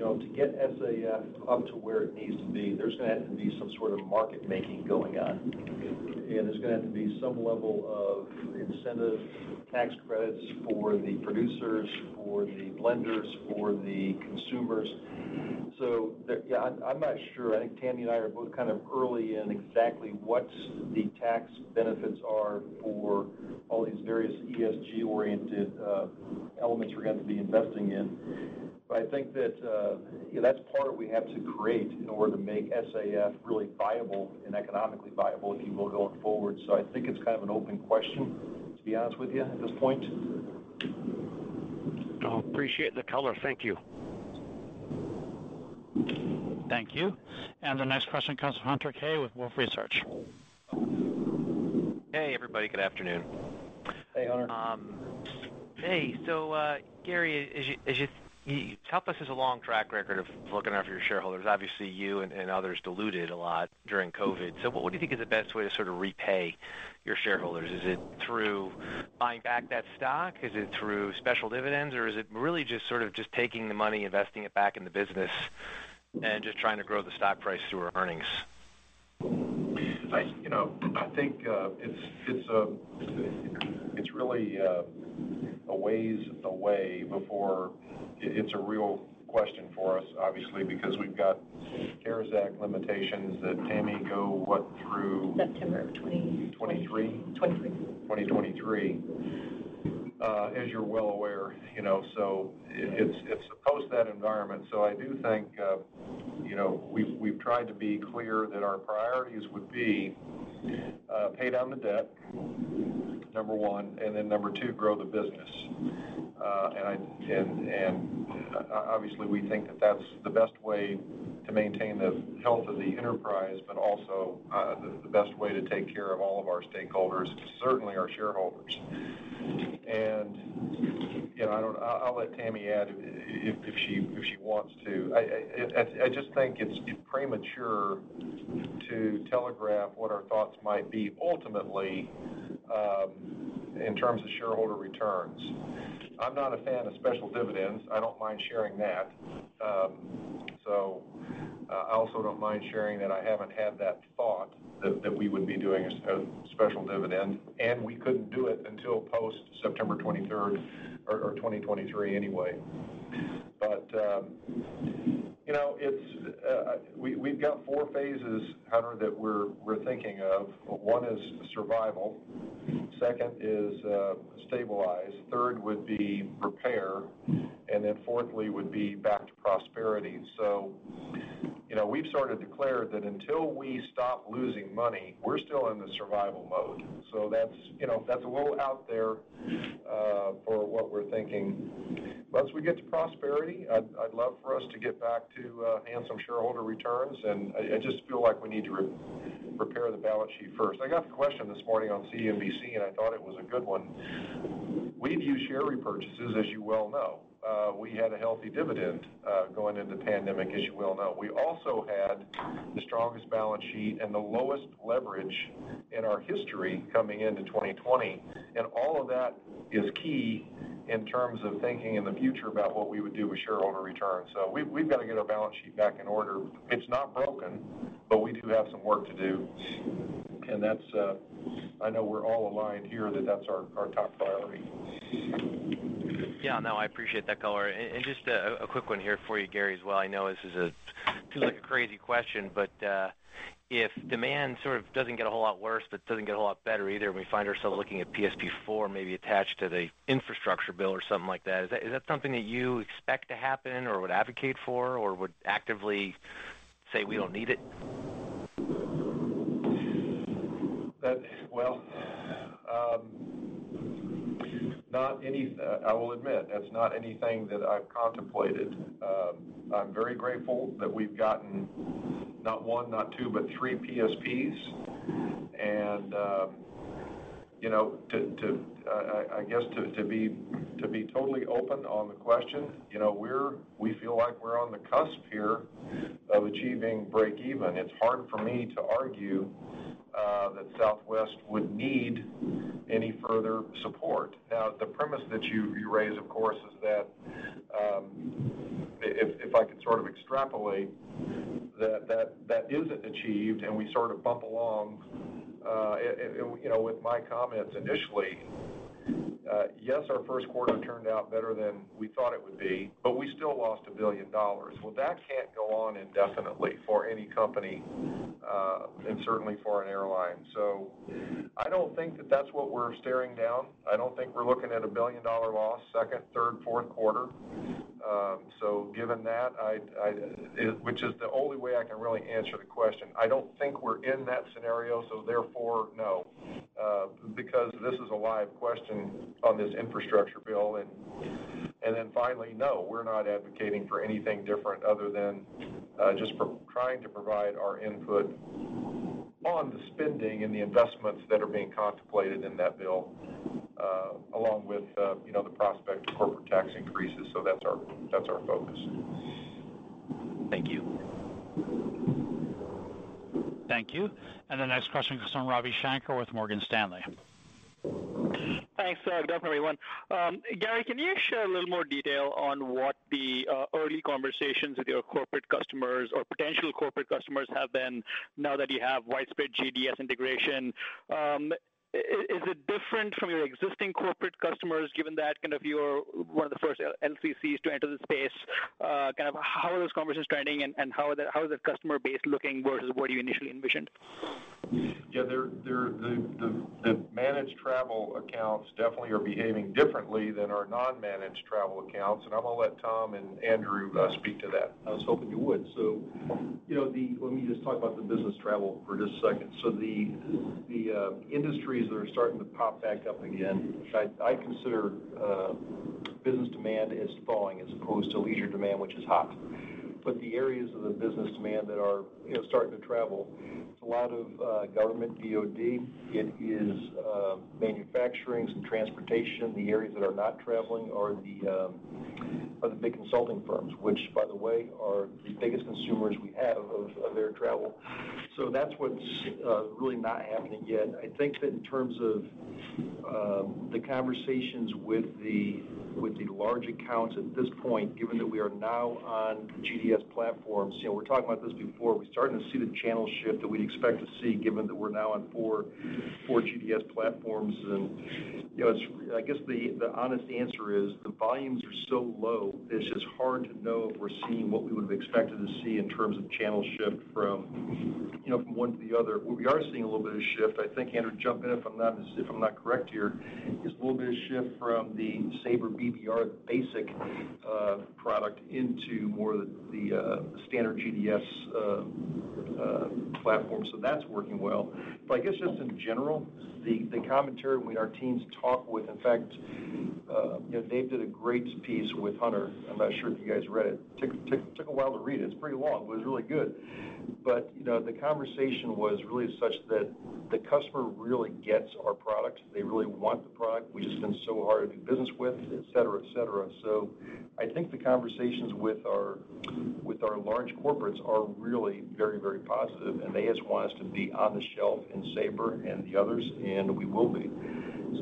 to get SAF up to where it needs to be, there's going to have to be some sort of market-making going on, and there's going to have to be some level of incentive tax credits for the producers, for the lenders, for the consumers. I'm not sure. I think Tammy and I are both kind of early in exactly what the tax benefits are for all these various ESG-oriented elements we're going to have to be investing in. I think that's part of what we have to create in order to make SAF really viable and economically viable if you go going forward. I think it's kind of an open question, to be honest with you at this point. I appreciate the color. Thank you. Thank you. The next question comes from Hunter Keay with Wolfe Research. Hey, everybody. Good afternoon. Hey, Hunter. Hey. Gary, [Topaz] has a long track record of looking after your shareholders. Obviously, you and others diluted a lot during COVID. What do you think is the best way to sort of repay your shareholders? Is it through buying back that stock? Is it through special dividends, or is it really just sort of just taking the money, investing it back in the business, and just trying to grow the stock price through our earnings? I think it's really a ways away before it's a real question for us, obviously, because we've got CARES Act limitations that, Tammy, go what, through-? September of 2023. 2023. <crosstalk> 2023. As you're well aware. It's post that environment. I do think we've tried to be clear that our priorities would be pay down the debt, number one, and then number two, grow the business. Obviously, we think that that's the best way to maintain the health of the enterprise, but also the best way to take care of all of our stakeholders, certainly our shareholders. I'll let Tammy add if she wants to. I just think it's premature to telegraph what our thoughts might be, ultimately, in terms of shareholder returns. I'm not a fan of special dividends. I don't mind sharing that. I also don't mind sharing that I haven't had that thought that we would be doing a special dividend, and we couldn't do it until post September 23rd or 2023 anyway. We've got four phases, Hunter, that we're thinking of. One is survival, second is stabilize, third would be prepare, then fourthly would be back to prosperity. We've sort of declared that until we stop losing money, we're still in the survival mode. That's a little out there for what we're thinking. Once we get to prosperity, I'd love for us to get back to handsome shareholder returns, and I just feel like we need to repair the balance sheet first. I got the question this morning on CNBC, and I thought it was a good one. We view share repurchases, as you well know. We had a healthy dividend going into the pandemic, as you well know. We also had the strongest balance sheet and the lowest leverage in our history coming into 2020. All of that is key in terms of thinking in the future about what we would do with shareholder returns. We've got to get our balance sheet back in order. It's not broken, but we do have some work to do, and I know we're all aligned here that that's our top priority. Yeah. No, I appreciate that color. Just a quick one here for you, Gary, as well. I know this is a too, like a crazy question, but if demand sort of doesn't get a whole lot worse, but doesn't get a whole lot better either, and we find ourselves looking at PSP4 maybe attached to the infrastructure bill or something like that, is that something that you expect to happen or would advocate for or would actively say we don't need it? Well, I will admit, that's not anything that I've contemplated. I'm very grateful that we've gotten not one, not two, but three PSPs. I guess to be totally open on the question, we feel like we're on the cusp here of achieving breakeven. It's hard for me to argue that Southwest would need any further support. The premise that you raise, of course, is that, if I could sort of extrapolate, that isn't achieved and we sort of bump along, with my comments initially. Yes, our first quarter turned out better than we thought it would be, we still lost $1 billion. Well, that can't go on indefinitely for any company and certainly for an airline. I don't think that that's what we're staring down. I don't think we're looking at a billion-dollar loss second, third, fourth quarter. Given that, which is the only way I can really answer the question, I don't think we're in that scenario, so therefore, no. This is a live question on this infrastructure bill. Finally, no, we're not advocating for anything different other than just trying to provide our input on the spending and the investments that are being contemplated in that bill, along with the prospect of corporate tax increases. That's our focus. Thank you. Thank you. The next question comes from Ravi Shanker with Morgan Stanley. Thanks. Good afternoon, everyone. Gary, can you share a little more detail on what the early conversations with your corporate customers or potential corporate customers have been now that you have widespread GDS integration? Is it different from your existing corporate customers given that kind of you're one of the first LCCs to enter the space? Kind of, how are those conversations trending, and how is that customer base looking versus what you initially envisioned? Yeah. The managed travel accounts definitely are behaving differently than our non-managed travel accounts, and I'm going to let Tom and Andrew speak to that. I was hoping you would. Let me just talk about the business travel for just a second. The industries that are starting to pop back up again, I consider business demand is falling as opposed to leisure demand, which is hot. The areas of the business demand that are starting to travel, it's a lot of government DoD. It is manufacturing, some transportation. The areas that are not traveling are the big consulting firms, which by the way, are the biggest consumers we have of air travel. It's really not happening yet. I think that in terms of the conversations with the large accounts at this point, given that we are now on GDS platforms, we were talking about this before, we're starting to see the channel shift that we'd expect to see, given that we're now on four GDS platforms. I guess the honest answer is the volumes are so low, it's just hard to know if we're seeing what we would have expected to see in terms of channel shift from one to the other. What we are seeing a little bit of shift, I think, Andrew, jump in if I'm not correct here, is a little bit of shift from the Sabre BBR basic product into more the standard GDS platform. That's working well. I guess just in general, In fact, Dave did a great piece with Hunter. I'm not sure if you guys read it. Took a while to read it. It's pretty long, but it was really good. The conversation was really such that the customer really gets our product, they really want the product, we've just been so hard to do business with, et cetera. I think the conversations with our large corporates are really very positive, and they just want us to be on the shelf in Sabre and the others, and we will be.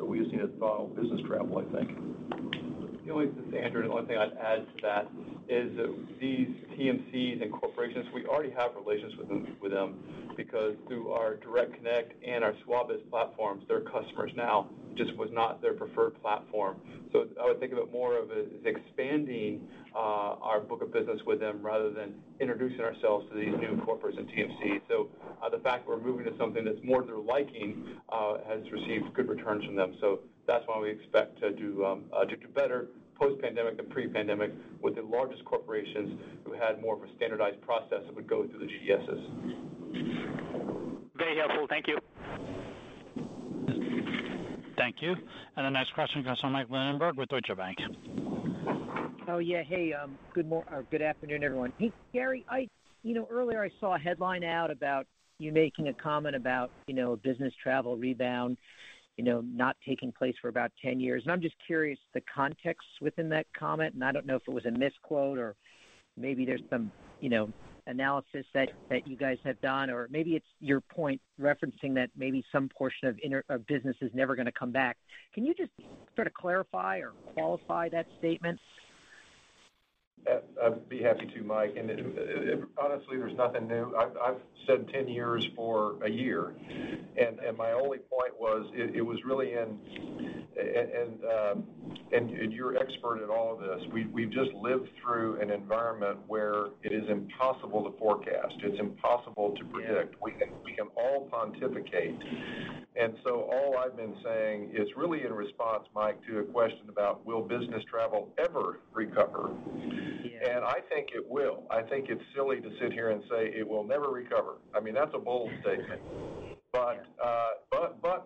We just need to follow business travel, I think. This is Andrew, the only thing I'd add to that is these TMCs and corporations, we already have relations with them because through our direct connect and our SWABIZ platforms, their customers now just was not their preferred platform. I would think of it more of as expanding our book of business with them rather than introducing ourselves to these new corporates and TMCs. The fact that we're moving to something that's more their liking has received good returns from them. That's why we expect to do better post-pandemic than pre-pandemic with the largest corporations who had more of a standardized process that would go through the GDSs. Very helpful. Thank you. Thank you. The next question goes to Mike Linenberg with Deutsche Bank. Oh, yeah. Hey, good afternoon, everyone. Hey, Gary, earlier I saw a headline out about you making a comment about a business travel rebound not taking place for about 10 years, and I'm just curious the context within that comment, and I don't know if it was a misquote or maybe there's some analysis that you guys have done, or maybe it's your point referencing that maybe some portion of business is never going to come back. Can you just sort of clarify or qualify that statement? I'd be happy to, Mike. Honestly, there's nothing new. I've said 10 years for a year, and my only point was. You're expert at all of this. We've just lived through an environment where it is impossible to forecast. It's impossible to predict. We can all pontificate. All I've been saying is really in response, Mike, to a question about will business travel ever recover? Yeah. I think it will. I think it's silly to sit here and say it will never recover. That's a bold statement.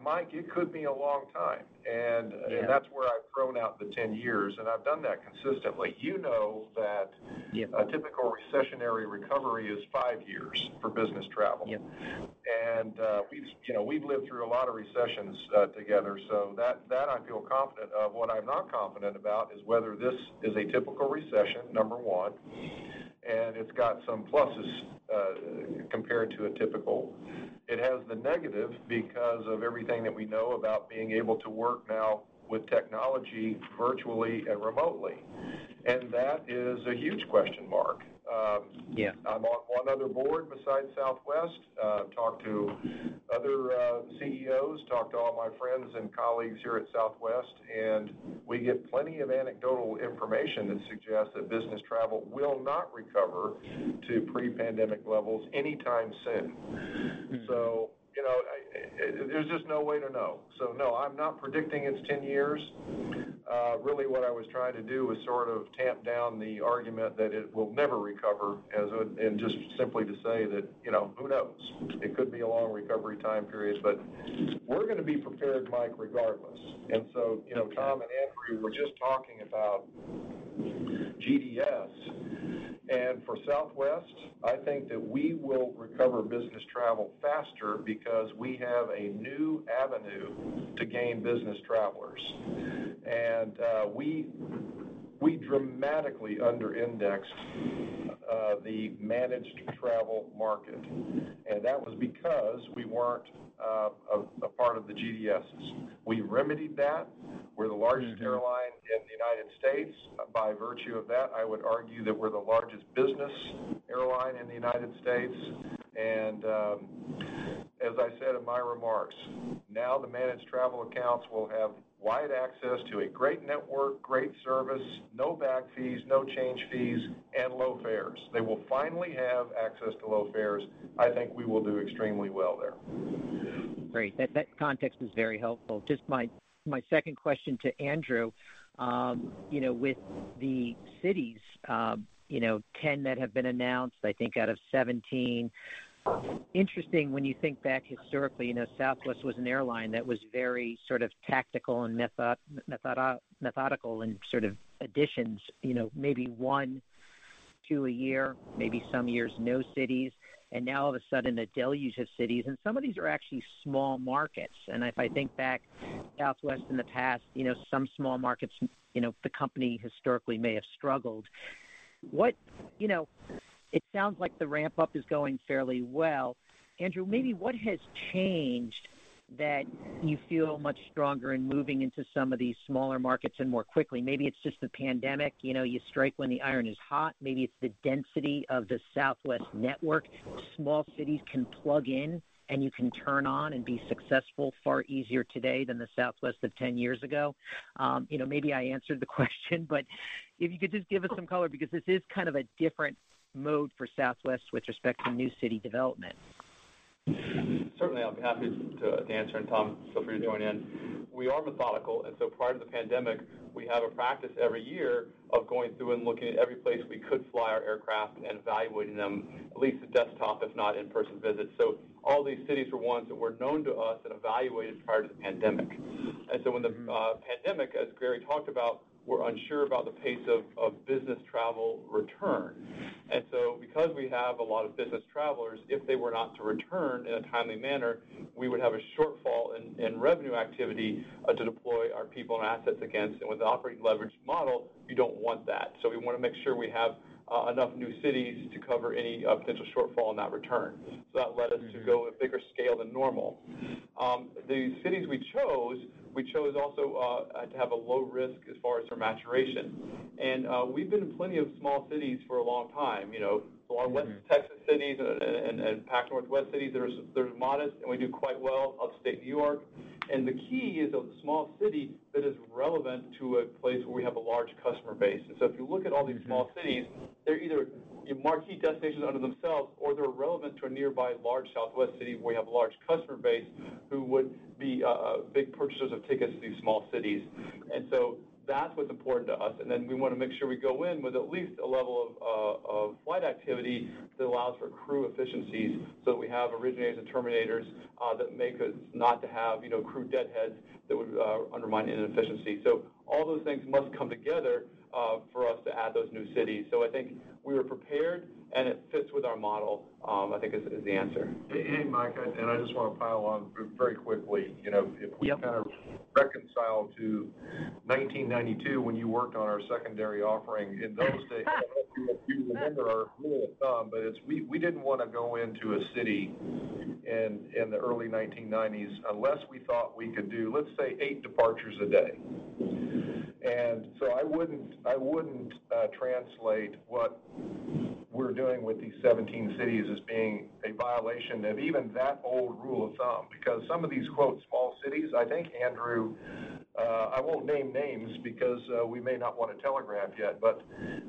Mike, it could be a long time, and that's where I've thrown out the 10 years, and I've done that consistently. Yeah. A typical recessionary recovery is five years for business travel. Yeah. We've lived through a lot of recessions together, so that I feel confident of. What I'm not confident about is whether this is a typical recession, number one. It's got some pluses compared to a typical. It has the negatives because of everything that we know about being able to work now with technology virtually and remotely. That is a huge question mark. Yeah. I'm on another board besides Southwest. I've talked to other CEOs, talked to all my friends and colleagues here at Southwest, and we get plenty of anecdotal information that suggests that business travel will not recover to pre-pandemic levels anytime soon. There's just no way to know. No, I'm not predicting it's 10 years. Really what I was trying to do was sort of tamp down the argument that it will never recover, and just simply to say that who knows? It could be a long recovery time period, but we're going to be prepared, Mike, regardless. Tom and Andrew were just talking about GDS. For Southwest, I think that we will recover business travel faster because we have a new avenue to gain business travelers. We dramatically under-indexed the managed travel market, and that was because we weren't a part of the GDSs. We remedied that. We're the largest airline in the United States. By virtue of that, I would argue that we're the largest business airline in the United States. As I said in my remarks, now the managed travel accounts will have wide access to a great network, great service, no bag fees, no change fees, and low fares. They will finally have access to low fares. I think we will do extremely well there. Great. That context is very helpful. Just my second question to Andrew. With the cities, 10 that have been announced, I think out of 17. Interesting when you think back historically, Southwest was an airline that was very sort of tactical and methodical in sort of additions. Maybe one, two a year, maybe some years, no cities. Now all of a sudden, a deluge of cities, and some of these are actually small markets. If I think back, Southwest in the past, some small markets, the company historically may have struggled. It sounds like the ramp-up is going fairly well. Andrew, maybe what has changed that you feel much stronger in moving into some of these smaller markets and more quickly? Maybe it's just the pandemic, you strike when the iron is hot. Maybe it's the density of the Southwest network. Small cities can plug in, and you can turn on and be successful far easier today than the Southwest of 10 years ago. Maybe I answered the question, but if you could just give us some color, because this is a different mode for Southwest with respect to new city development. Certainly, I'll be happy to answer. Tom, feel free to join in. We are methodical. Prior to the pandemic, we have a practice every year of going through and looking at every place we could fly our aircraft and evaluating them, at least a desktop, if not in-person visits. All these cities were ones that were known to us and evaluated prior to the pandemic. When the pandemic, as Gary talked about, we're unsure about the pace of business travel return. Because we have a lot of business travelers, if they were not to return in a timely manner, we would have a shortfall in revenue activity to deploy our people and assets against. With the operating leverage model, we don't want that. We want to make sure we have enough new cities to cover any potential shortfall in that return. That led us to go a bigger scale than normal. The cities we chose also to have a low risk as far as their maturation. We've been in plenty of small cities for a long time. Our West Texas cities and Pacific Northwest cities, they're modest, and we do quite well, upstate New York. The key is a small city that is relevant to a place where we have a large customer base. If you look at all these small cities, they're either marquee destinations unto themselves, or they're relevant to a nearby large Southwest city where we have a large customer base who would be big purchasers of tickets to these small cities. That's what's important to us. We want to make sure we go in with at least a level of flight activity that allows for crew efficiencies so that we have originators and terminators that make us not to have crew deadheads that would undermine inefficiency. All those things must come together for us to add those new cities. I think we were prepared, and it fits with our model, I think is the answer. Hey, Mike, I just want to pile on very quickly. Yep. kind of reconcile to 1992, when you worked on our secondary offering, in those days, I don't know if you remember our rule of thumb, but we didn't want to go into a city in the early 1990s unless we thought we could do, let's say, eight departures a day. So I wouldn't translate what we're doing with these 17 cities as being a violation of even that old rule of thumb. Some of these "small cities," I think, Andrew, I won't name names because we may not want to telegraph yet, but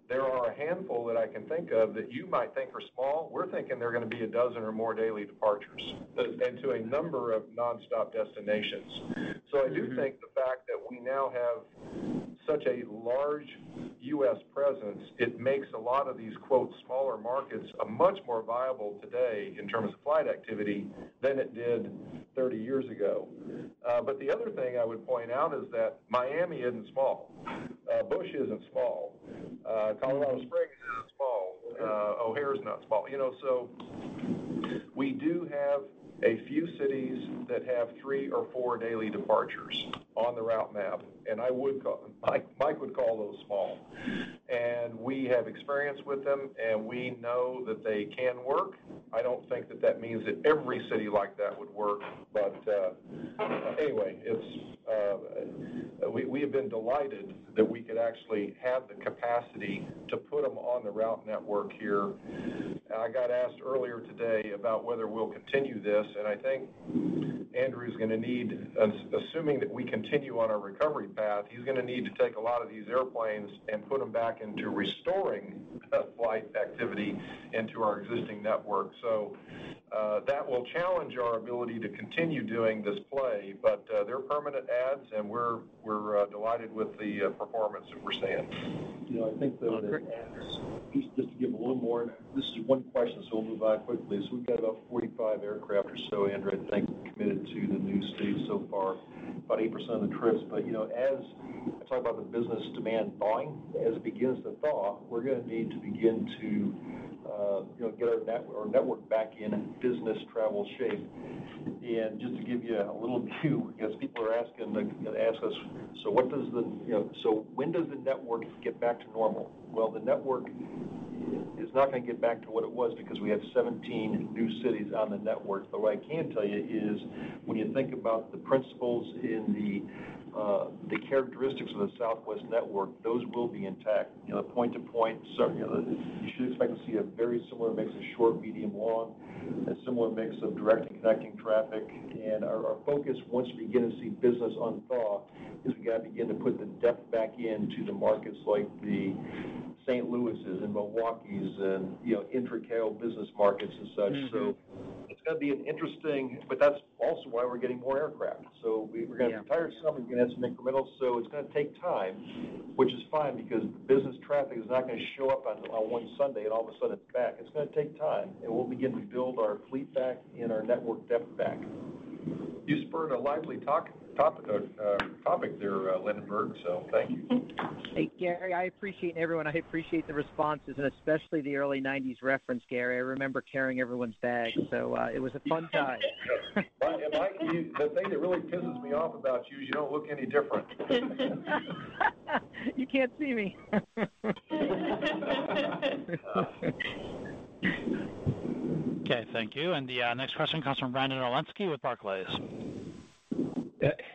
there are a handful that I can think of that you might think are small. We're thinking they're going to be a dozen or more daily departures and to a number of non-stop destinations. I do think the fact that we now have such a large U.S. presence, it makes a lot of these "smaller markets" much more viable today in terms of flight activity than it did 30 years ago. The other thing I would point out is that Miami isn't small. Bush isn't small. Colorado Springs isn't small. O'Hare is not small. We do have a few cities that have three or four daily departures on the route map, and Mike would call those small. We have experience with them, and we know that they can work. I don't think that that means that every city like that would work. Anyway, we have been delighted that we could actually have the capacity to put them on the route network here. I got asked earlier today about whether we'll continue this, I think Andrew's going to need, assuming that we continue on our recovery path, he's going to need to take a lot of these airplanes and put them back into restoring flight activity into our existing network. That will challenge our ability to continue doing this play, but they're permanent adds and we're delighted with the performance that we're seeing. Well, great. Just to give a little more, this is one question, so we'll move on quickly. We've got about 45 aircraft or so, Andrew, I think, committed to the new cities so far. About 8% of the trips. As I talk about the business demand thawing, as it begins to thaw, we're going to need to begin to get our network back in business travel shape. Just to give you a little cue, because people are going to ask us, "When does the network get back to normal?" Well, the network is not going to get back to what it was because we have 17 new cities on the network. What I can tell you is when you think about the principles and the characteristics of the Southwest network, those will be intact. Point to point, you should expect to see a very similar mix of short, medium, long, a similar mix of direct and connecting traffic. Our focus, once we begin to see business unthaw, is we got to begin to put the depth back into the markets like the St. Louis's and Milwaukee's and intra-California business markets and such. It's going to be interesting, but that's also why we're getting more aircraft. Yeah retire some, we're going to add some incremental, so it's going to take time, which is fine because business traffic is not going to show up on one Sunday and all of a sudden it's back. It's going to take time, and we'll begin to build our fleet back and our network depth back. You spurred a lively topic there, Linenberg, so thank you. Hey, Gary, I appreciate everyone. I appreciate the responses and especially the early 1990s reference, Gary. It was a fun time. Mike, the thing that really pisses me off about you is you don't look any different. You can't see me. Okay, thank you. The next question comes from Brandon Oglenski with Barclays.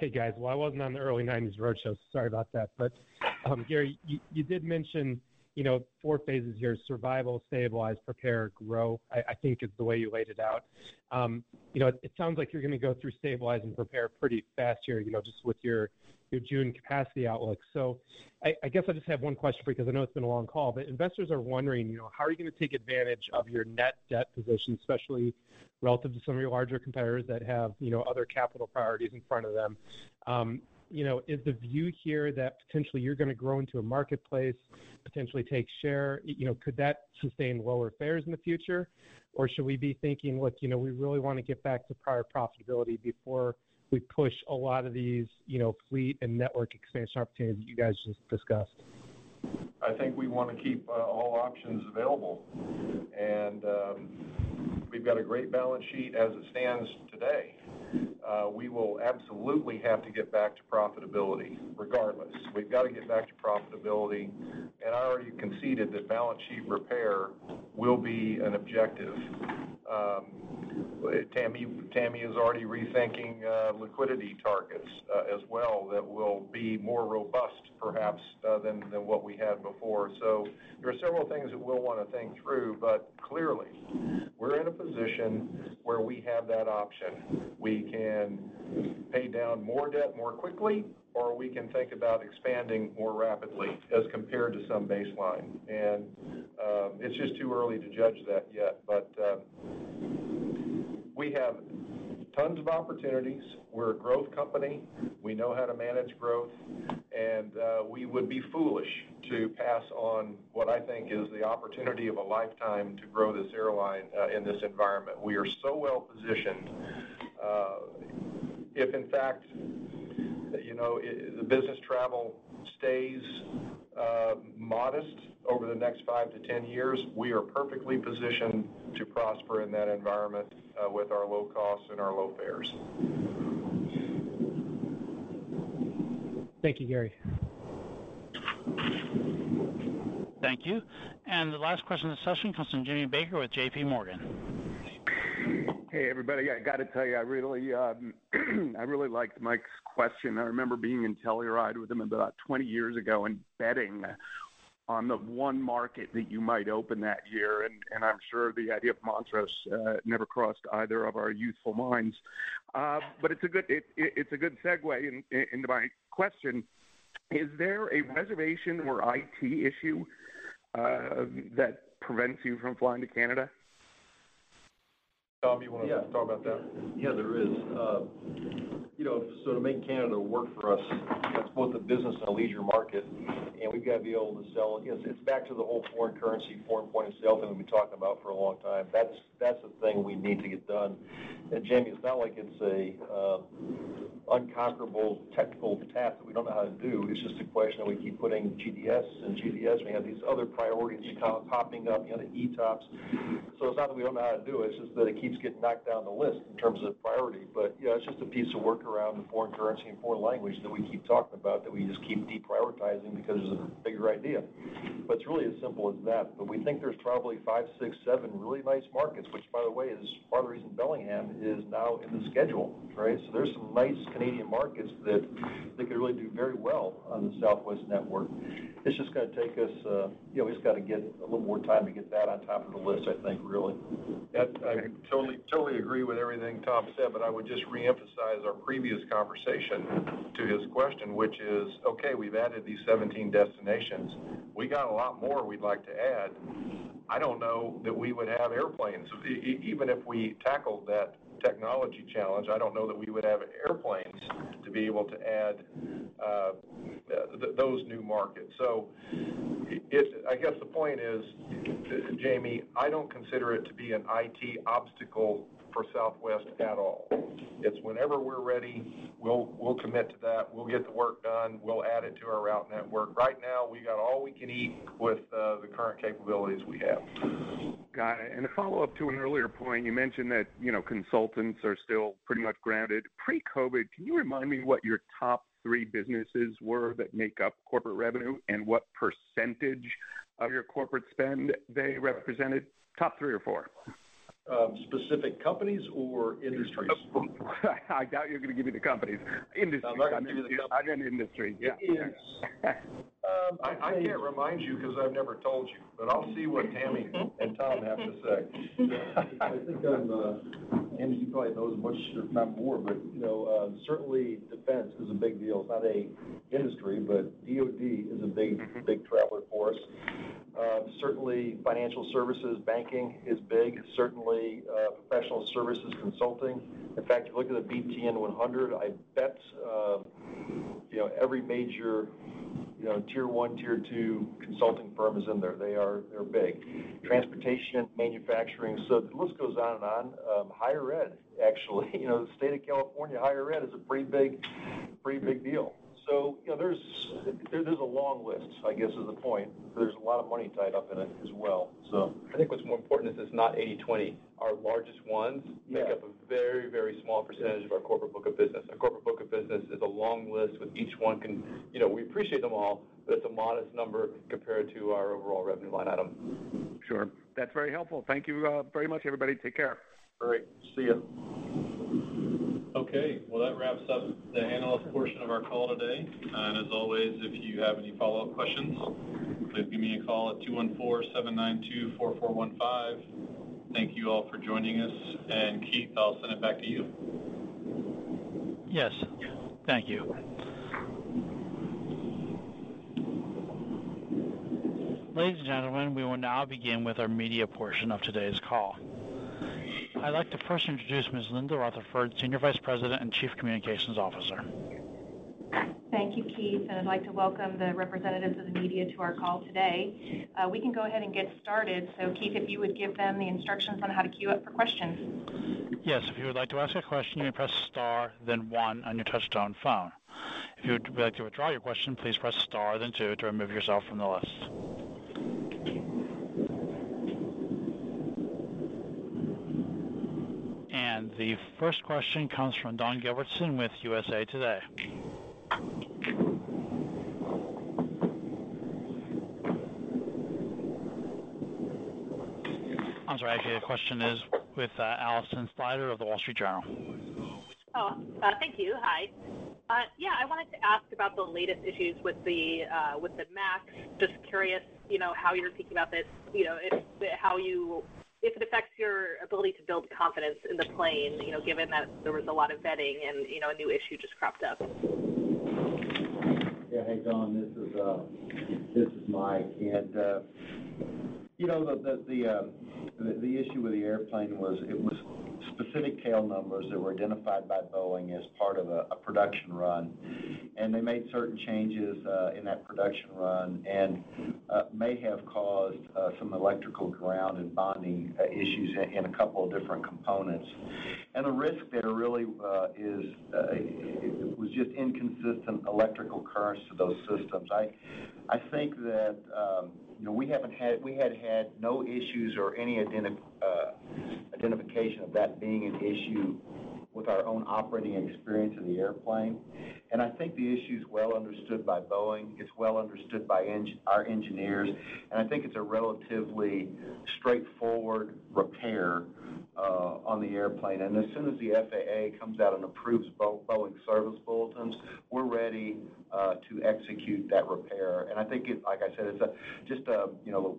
Hey, guys. Well, I wasn't on the early 1990s roadshow, sorry about that. Gary, you did mention four phases here, survival, stabilize, prepare, grow, I think is the way you laid it out. It sounds like you're going to go through stabilize and prepare pretty fast here, just with your June capacity outlook. I guess I just have one question for you because I know it's been a long call, but investors are wondering, how are you going to take advantage of your net debt position, especially relative to some of your larger competitors that have other capital priorities in front of them? Is the view here that potentially you're going to grow into a marketplace, potentially take share? Could that sustain lower fares in the future? Should we be thinking, "Look, we really want to get back to prior profitability before we push a lot of these fleet and network expansion opportunities that you guys just discussed? I think we want to keep all options available. We've got a great balance sheet as it stands today. We will absolutely have to get back to profitability regardless. We've got to get back to profitability. I already conceded that balance sheet repair will be an objective. Tammy is already rethinking liquidity targets as well that will be more robust perhaps, than what we had before. There are several things that we'll want to think through, but clearly, we're in a position where we have that option. We can pay down more debt more quickly, or we can think about expanding more rapidly as compared to some baseline. It's just too early to judge that yet. We have tons of opportunities. We're a growth company. We know how to manage growth. We would be foolish to pass on what I think is the opportunity of a lifetime to grow this airline in this environment. We are so well-positioned. If in fact, the business travel stays modest over the next five to 10 years, we are perfectly positioned to prosper in that environment with our low costs and our low fares. Thank you, Gary. Thank you. The last question of the session comes from Jimmy Baker with JPMorgan. Hey, everybody. I got to tell you, I really liked Mike's question. I remember being in Telluride with him about 20 years ago and betting on the one market that you might open that year, and I'm sure the idea of Montrose never crossed either of our youthful minds. It's a good segue into my question. Is there a reservation or IT issue that prevents you from flying to Canada? Tom, you want to talk about that? Yeah, there is. To make Canada work for us, that's both a business and a leisure market, and we've got to be able to sell. It's back to the whole foreign currency, foreign point of sale thing that we've been talking about for a long time. That's the thing we need to get done. Jimmy, it's not like it's a unconquerable technical task that we don't know how to do. It's just a question that we keep putting GDS and GDS may have these other priorities popping up, the ETOPS. It's not that we don't know how to do it's just that it keeps getting knocked down the list in terms of priority. It's just a piece of work around the foreign currency and foreign language that we keep talking about that we just keep deprioritizing because there's a bigger idea. It's really as simple as that. We think there's probably five, six, seven really nice markets, which by the way, is part of the reason Bellingham is now in the schedule, right? There's some nice Canadian markets that could really do very well on the Southwest network. We just got to get a little more time to get that on top of the list, I think, really. Yeah. I totally agree with everything Tom said, but I would just reemphasize our previous conversation to his question, which is, okay, we've added these 17 destinations. We got a lot more we'd like to add. I don't know that we would have airplanes. Even if we tackled that technology challenge, I don't know that we would have airplanes to be able to add those new markets. I guess the point is, Jimmy, I don't consider it to be an IT obstacle for Southwest at all. It's whenever we're ready, we'll commit to that. We'll get the work done. We'll add it to our route network. Right now, we got all we can eat with the current capabilities we have. Got it. A follow-up to an earlier point, you mentioned that consultants are still pretty much grounded. Pre-COVID, can you remind me what your top three businesses were that make up corporate revenue and what % of your corporate spend they represented? Top three or four. Specific companies or industries? I doubt you're going to give me the companies. Industries. I'm not going to give you the companies. I got industries, yeah. I can't remind you because I've never told you, but I'll see what Tammy and Tom have to say. I think, Jimmy, you probably know as much if not more, but certainly defense is a big deal. It's not a industry, but DoD is a big traveler for us. Certainly financial services, banking is big. Certainly, professional services consulting. In fact, you look at the BTN 100, I bet every major Tier 1, Tier 2 consulting firm is in there. They're big. Transportation, manufacturing, so the list goes on and on. Higher ed, actually. The state of California higher ed is a pretty big deal. There's a long list, I guess, is the point. There's a lot of money tied up in it as well. I think what's more important is it's not 80/20. Our largest ones make up a very-very small percentage of our corporate book of business. Our corporate book of business is a long list, we appreciate them all, but it's a modest number compared to our overall revenue line item. Sure. That's very helpful. Thank you very much, everybody. Take care. All right, see you. Okay. Well, that wraps up the analyst portion of our call today. As always, if you have any follow-up questions, please give me a call at 214-792-4415. Thank you all for joining us. Keith, I'll send it back to you. Yes. Thank you. Ladies and gentlemen, we will now begin with our media portion of today's call. I'd like to first introduce Ms. Linda Rutherford, Senior Vice President and Chief Communications Officer. Thank you, Keith, I'd like to welcome the representatives of the media to our call today. We can go ahead and get started. Keith, if you would give them the instructions on how to queue up for questions. The first question comes from Dawn Gilbertson with USA TODAY. I'm sorry, actually your question is with Alison Sider of The Wall Street Journal. Oh, thank you. Hi. Yeah, I wanted to ask about the latest issues with the MAX. Just curious, how you're thinking about this, if it affects your ability to build confidence in the plane, given that there was a lot of vetting and a new issue just cropped up? Yeah. Hey, Dawn. This is Mike. The issue with the airplane was it was specific tail numbers that were identified by Boeing as part of a production run. They made certain changes in that production run and may have caused some electrical ground and bonding issues in a couple of different components. The risk there really was just inconsistent electrical currents to those systems. I think that we had had no issues or any identification of that being an issue with our own operating experience of the airplane. I think the issue's well understood by Boeing. It's well understood by our engineers, and I think it's a relatively straightforward repair on the airplane. As soon as the FAA comes out and approves Boeing service bulletins, we're ready to execute that repair. I think, like I said, it's just a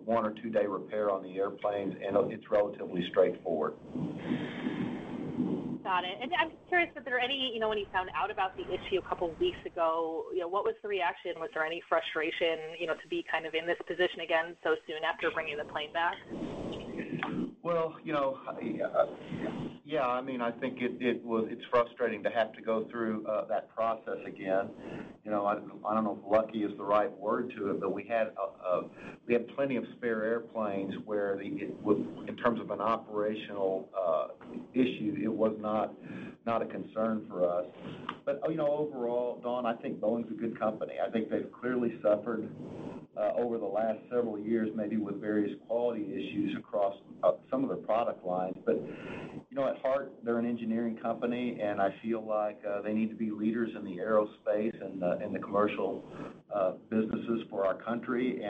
one or two-day repair on the airplanes, and it's relatively straightforward. Got it. I'm curious, when you found out about the issue a couple of weeks ago, what was the reaction? Was there any frustration to be in this position again so soon after bringing the plane back? Well, yeah. I think it's frustrating to have to go through that process again. I don't know if lucky is the right word to it, but we had plenty of spare airplanes where in terms of an operational issue, it was not a concern for us. Overall, Dawn, I think Boeing's a good company. I think they've clearly suffered over the last several years, maybe with various quality issues across some of their product lines. At heart, they're an engineering company, and I feel like they need to be leaders in the aerospace and the commercial businesses for our country.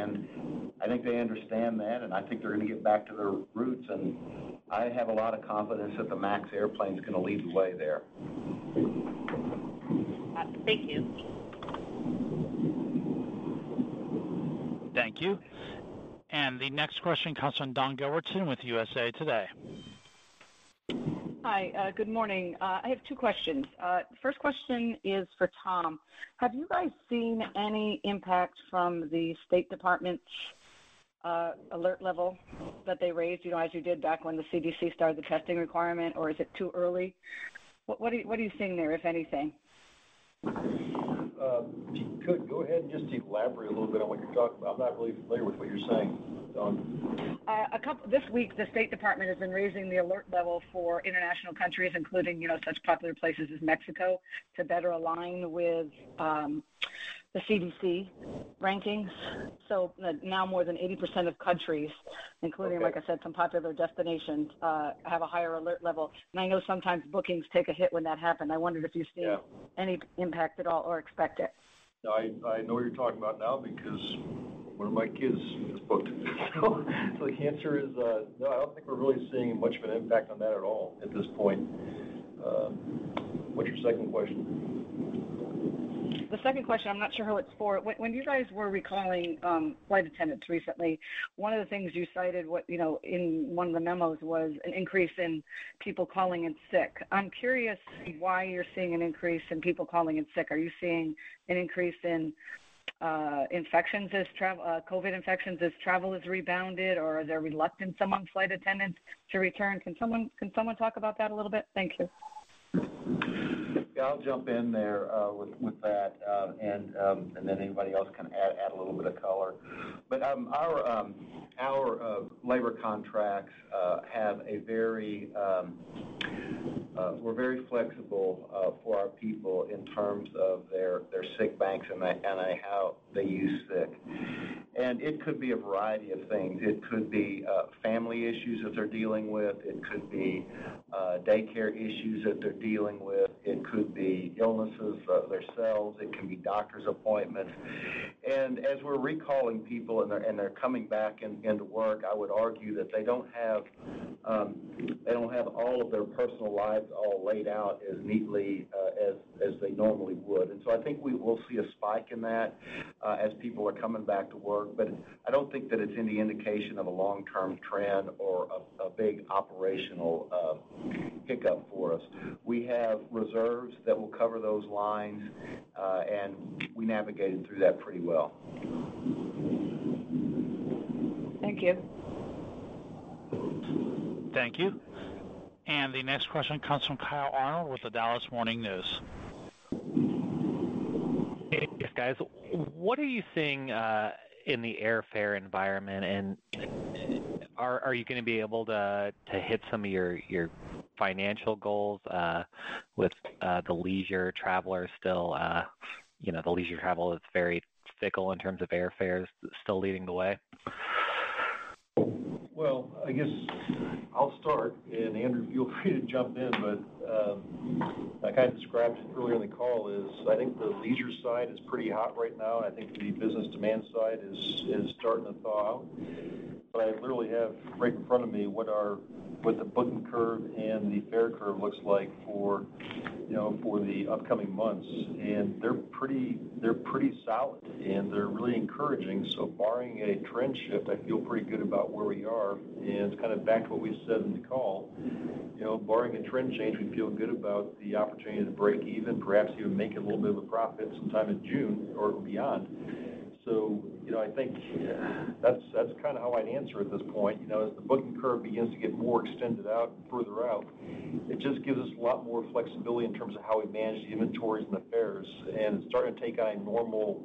I think they understand that, and I think they're going to get back to their roots, and I have a lot of confidence that the MAX airplane's going to lead the way there. Thank you. Thank you. The next question comes from Dawn Gilbertson with USA TODAY. Hi, good morning. I have two questions. First question is for Tom. Have you guys seen any impact from the State Department's alert level that they raised, as you did back when the CDC started the testing requirement, or is it too early? What are you seeing there, if anything? Go ahead and just elaborate a little bit on what you're talking. I'm not really familiar with what you're saying, Dawn. This week, the State Department has been raising the alert level for international countries, including such popular places as Mexico to better align with the CDC rankings. Now more than 80% of countries, including, like I said, some popular destinations have a higher alert level. I know sometimes bookings take a hit when that happened. I wondered if you've seen? Yeah. Any impact at all or expect it. I know what you're talking about now because one of my kids is booked. The answer is, no, I don't think we're really seeing much of an impact on that at all at this point. What's your second question? The second question, I'm not sure who it's for. When you guys were recalling flight attendants recently, one of the things you cited in one of the memos was an increase in people calling in sick. I'm curious why you're seeing an increase in people calling in sick. Are you seeing an increase in COVID infections as travel has rebounded, or are there reluctance among flight attendants to return? Can someone talk about that a little bit? Thank you. Yeah, I'll jump in there with that, and then anybody else can. Our labor contracts, we're very flexible for our people in terms of their sick banks and how they use sick. It could be a variety of things. It could be family issues that they're dealing with, it could be daycare issues that they're dealing with. It could be illnesses themselves, it can be doctor's appointments. As we're recalling people and they're coming back into work, I would argue that they don't have all of their personal lives all laid out as neatly as they normally would. I think we will see a spike in that as people are coming back to work. I don't think that it's any indication of a long-term trend or a big operational hiccup for us. We have reserves that will cover those lines, and we navigated through that pretty well. Thank you. Thank you. The next question comes from Kyle Arnold with The Dallas Morning News. Hey, guys. What are you seeing in the airfare environment, and are you going to be able to hit some of your financial goals with the leisure traveler? The leisure travel is very fickle in terms of airfares still leading the way. Well, I guess I'll start, and Andrew, feel free to jump in. I kind of described earlier in the call is I think the leisure side is pretty hot right now, and I think the business demand side is starting to thaw out. I literally have right in front of me what the booking curve and the fare curve looks like for the upcoming months, and they're pretty solid, and they're really encouraging. Barring a trend shift, I feel pretty good about where we are, and it's kind of back to what we said in the call. Barring a trend change, we feel good about the opportunity to break even, perhaps even make a little bit of a profit sometime in June or beyond. I think that's how I'd answer at this point. As the booking curve begins to get more extended out further out, it just gives us a lot more flexibility in terms of how we manage the inventories and the fares. It's starting to take on normal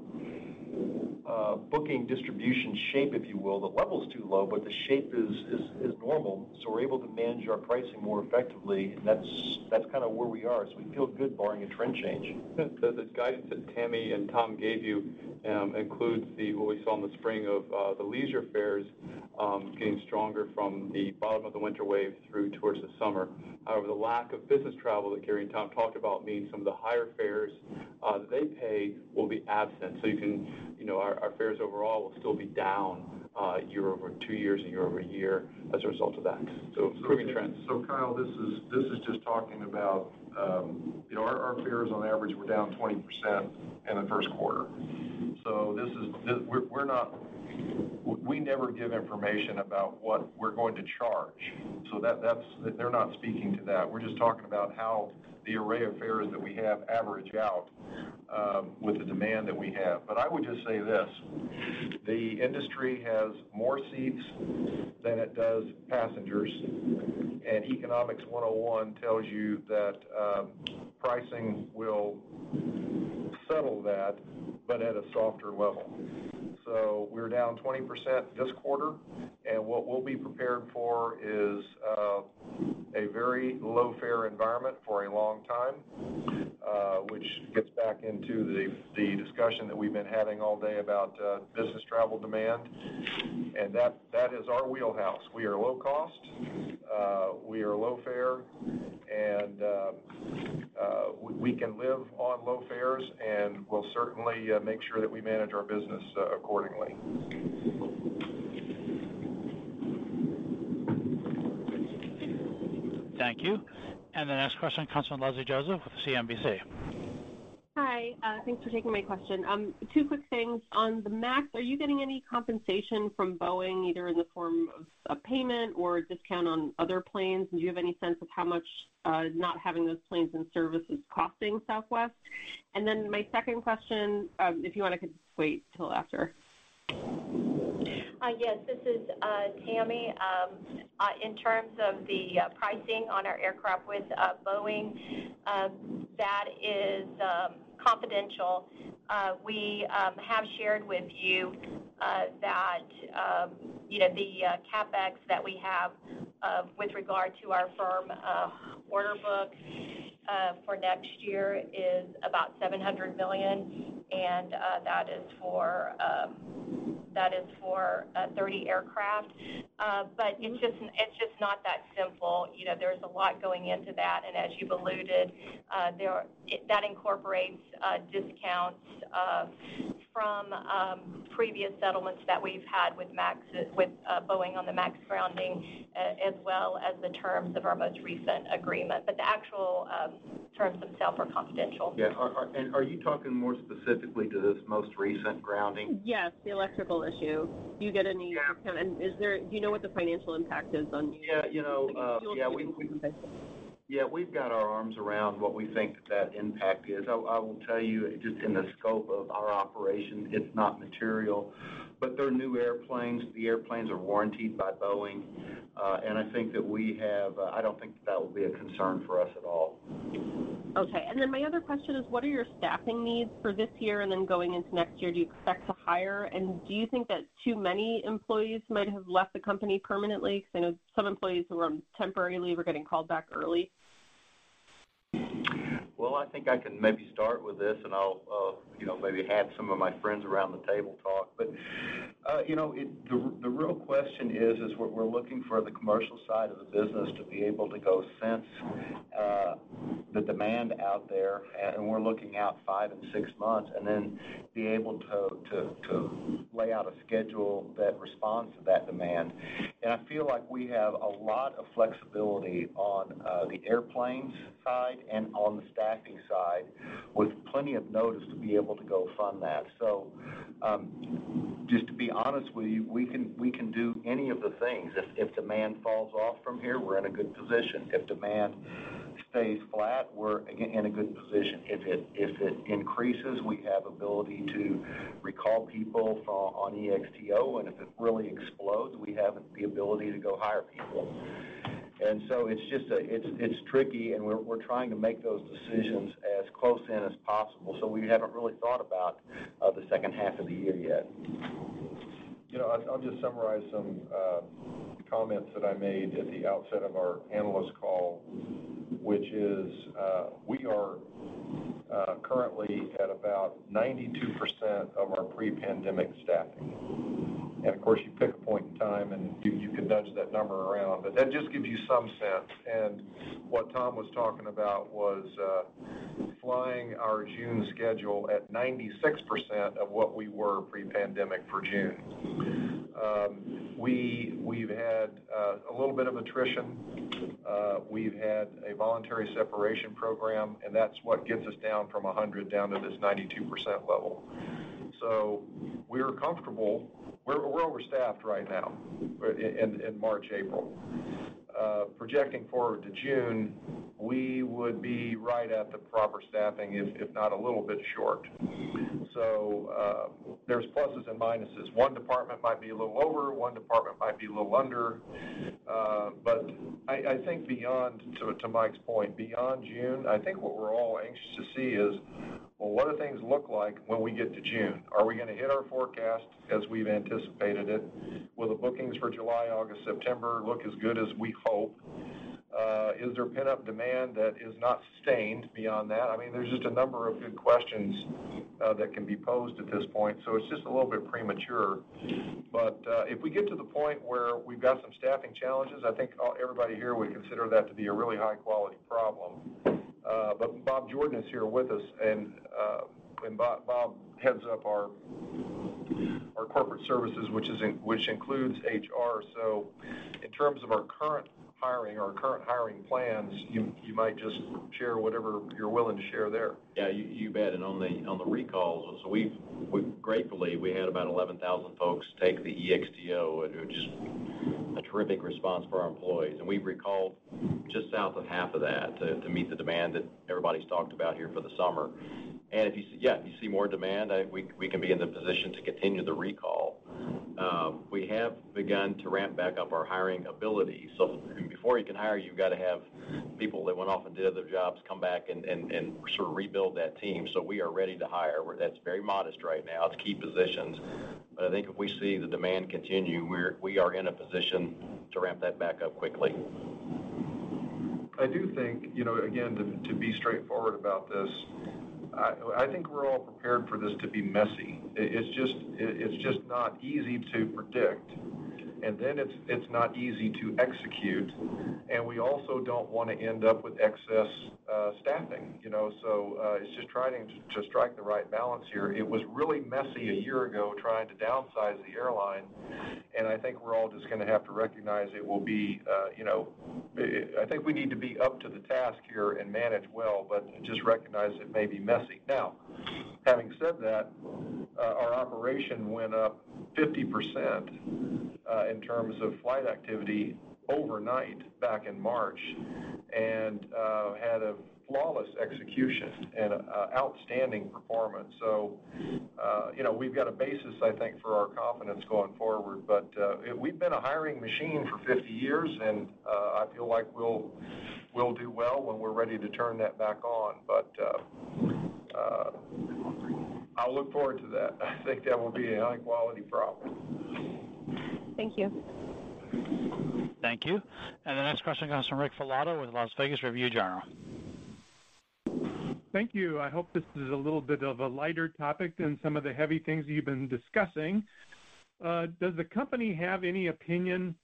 booking distribution shape, if you will. The level's too low, but the shape is normal, so we're able to manage our pricing more effectively, and that's where we are. We feel good barring a trend change. The guidance that Tammy and Tom gave you includes what we saw in the spring of the leisure fares getting stronger from the bottom of the winter wave through towards the summer. The lack of business travel that Gary and Tom talked about means some of the higher fares that they pay will be absent. Our fares overall will still be down two years and year-over-year as a result of that. Improving trends. Kyle, this is just talking about our fares on average were down 20% in the first quarter. We never give information about what we're going to charge, so they're not speaking to that. We're just talking about how the array of fares that we have average out with the demand that we have. I would just say this, the industry has more seats than it does passengers, and Economics 101 tells you that pricing will settle that, but at a softer level. We're down 20% this quarter, and what we'll be prepared for is a very low-fare environment for a long time, which gets back into the discussion that we've been having all day about business travel demand. That is our wheelhouse. We are low cost, we are low fare, and we can live on low fares, and we'll certainly make sure that we manage our business accordingly. Thank you. The next question comes from Leslie Josephs with CNBC. Hi. Thanks for taking my question. Two quick things. On the MAX, are you getting any compensation from Boeing, either in the form of a payment or a discount on other planes? Do you have any sense of how much not having those planes in service is costing Southwest? My second question, if you want, I could wait till after. Yes, this is Tammy. In terms of the pricing on our aircraft with Boeing, that is confidential. We have shared with you that the CapEx that we have with regard to our firm order book for next year is about $700 million, and that is for 30 aircraft. It's just not that simple. There's a lot going into that, and as you've alluded, that incorporates discounts from previous settlements that we've had with Boeing on the MAX grounding, as well as the terms of our most recent agreement. The actual terms themselves are confidential. Yeah. Are you talking more specifically to this most recent grounding? Yes. The electrical issue. Do you get any. Yeah. Do you know what the financial impact is on you? Yeah. <crosstalk> Yeah, we've got our arms around what we think that impact is. I will tell you, just in the scope of our operations, it's not material. They're new airplanes. The airplanes are warrantied by Boeing. I don't think that will be a concern for us at all. Okay. My other question is, what are your staffing needs for this year and then going into next year? Do you expect to hire? Do you think that too many employees might have left the company permanently? I know some employees who were on temporary leave are getting called back early. I think I can maybe start with this, and I'll maybe have some of my friends around the table talk. The real question is, we're looking for the commercial side of the business to be able to go sense the demand out there, and we're looking out five and six months, and then be able to lay out a schedule that responds to that demand. I feel like we have a lot of flexibility on the airplanes side and on the staffing side with plenty of notice to be able to go fund that. Just to be honest with you, we can do any of the things. If demand falls off from here, we're in a good position. If demand stays flat, we're in a good position. If it increases, we have ability to recall people on ExTO, and if it really explodes, we have the ability to go hire people. It's tricky, and we're trying to make those decisions as close in as possible. We haven't really thought about the second half of the year yet. I'll just summarize some comments that I made at the outset of our analyst call, which is, we are currently at about 92% of our pre-pandemic staffing. Of course, you pick a point in time and you can nudge that number around, but that just gives you some sense. What Tom was talking about was flying our June schedule at 96% of what we were pre-pandemic for June. We've had a little bit of attrition. We've had a voluntary separation program, and that's what gets us down from 100 down to this 92% level. We're comfortable. We're overstaffed right now in March, April. Projecting forward to June, we would be right at the proper staffing, if not a little bit short. There's pluses and minuses. One department might be a little over, one department might be a little under. I think to Mike's point, beyond June, I think what we're all anxious to see is, well, what do things look like when we get to June? Are we going to hit our forecast as we've anticipated it? Will the bookings for July, August, September look as good as we hope? Is there pent-up demand that is not sustained beyond that? There's just a number of good questions that can be posed at this point. It's just a little bit premature. If we get to the point where we've got some staffing challenges, I think everybody here would consider that to be a really high-quality problem. Bob Jordan is here with us, and Bob heads up our Corporate Services, which includes HR. In terms of our current hiring or current hiring plans, you might just share whatever you're willing to share there. Yeah, you bet. On the recalls, gratefully, we had about 11,000 folks take the ExTO, and it was just a terrific response for our employees. We've recalled just south of half of that to meet the demand that everybody's talked about here for the summer. If you see more demand, we can be in the position to continue the recall. We have begun to ramp back up our hiring ability. Before you can hire, you've got to have people that went off and did other jobs, come back and sort of rebuild that team. We are ready to hire. That's very modest right now to key positions. I think if we see the demand continue, we are in a position to ramp that back up quickly. I do think, again, to be straightforward about this, I think we're all prepared for this to be messy. It's just not easy to predict. It's not easy to execute. We also don't want to end up with excess staffing. It's just trying to strike the right balance here. It was really messy a year ago, trying to downsize the airline, and I think we're all just going to have to recognize it will be messy. I think we need to be up to the task here and manage well, but just recognize it may be messy. Having said that, our operation went up 50% in terms of flight activity overnight back in March and had a flawless execution and outstanding performance. We've got a basis, I think, for our confidence going forward. We've been a hiring machine for 50 years, and I feel like we'll do well when we're ready to turn that back on. I look forward to that. I think that will be a high-quality problem. Thank you. Thank you. The next question comes from Rick Velotta with the Las Vegas Review-Journal. Thank you. I hope this is a little bit of a lighter topic than some of the heavy things that you've been discussing. Does the company have any opinion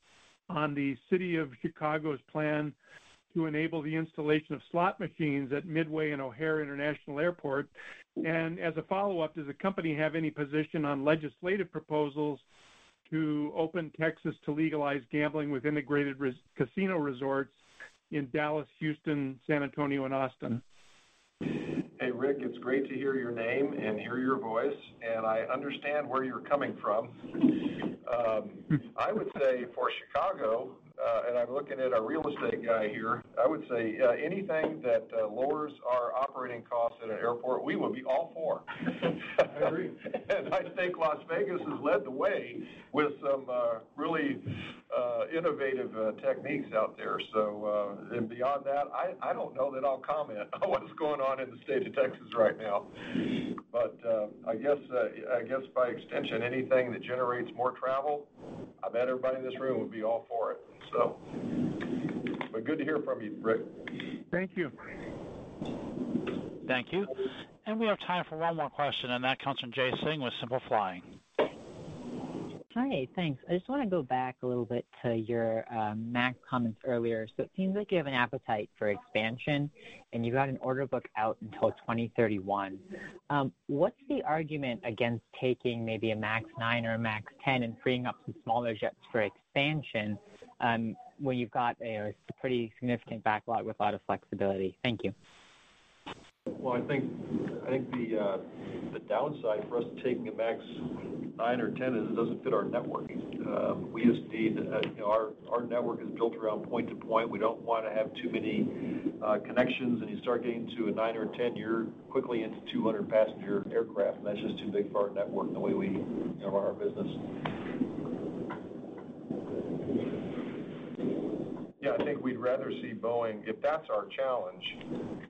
on the city of Chicago's plan to enable the installation of slot machines at Midway and O'Hare International Airport? As a follow-up, does the company have any position on legislative proposals to open Texas to legalize gambling with integrated casino resorts in Dallas, Houston, San Antonio, and Austin? Hey, Rick, it's great to hear your name and hear your voice, and I understand where you're coming from. I would say for Chicago, and I'm looking at our real estate guy here, I would say anything that lowers our operating costs at an airport, we would be all for. I agree. I think Las Vegas has led the way with some really innovative techniques out there. Beyond that, I don't know that I'll comment on what's going on in the state of Texas right now. I guess by extension, anything that generates more travel, I bet everybody in this room would be all for it. Good to hear from you, Rick. Thank you. Thank you. We have time for one more question, and that comes from Jay Singh with Simple Flying. Hi. Thanks. I just want to go back a little bit to your MAX comments earlier. It seems like you have an appetite for expansion, and you've got an order book out until 2031. What's the argument against taking maybe a MAX 9 or a MAX 10 and freeing up some smaller jets for expansion when you've got a pretty significant backlog with a lot of flexibility? Thank you. Well, I think the downside for us taking a MAX 9 or 10 is it doesn't fit our network. Our network is built around point to point. We don't want to have too many connections, and you start getting to a nine or a 10, you're quickly into 200-passenger aircraft, and that's just too big for our network and the way we run our business. Yeah, I think we'd rather see Boeing. If that's our challenge,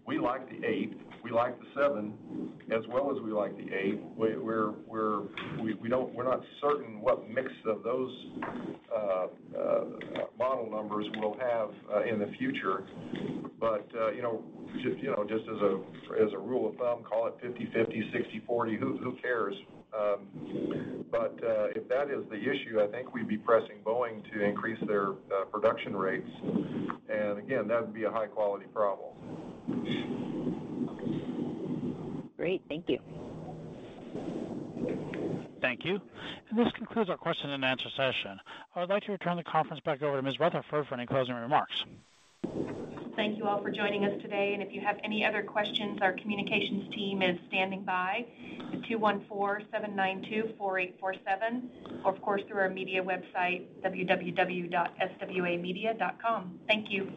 we like the eight, we like the seven as well as we like the eight. We're not certain what mix of those model numbers we'll have in the future. Just as a rule of thumb, call it 50/50, 60/40, who cares? If that is the issue, I think we'd be pressing Boeing to increase their production rates. Again, that would be a high-quality problem. Great. Thank you. Thank you. This concludes our question and answer session. I would like to return the conference back over to Ms. Rutherford for any closing remarks. Thank you all for joining us today. If you have any other questions, our communications team is standing by at 214-792-4847, or of course, through our media website, swamedia.com. Thank you.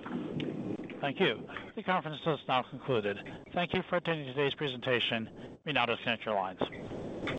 Thank you. The conference is now concluded. Thank you for attending today's presentation. You may now disconnect your lines.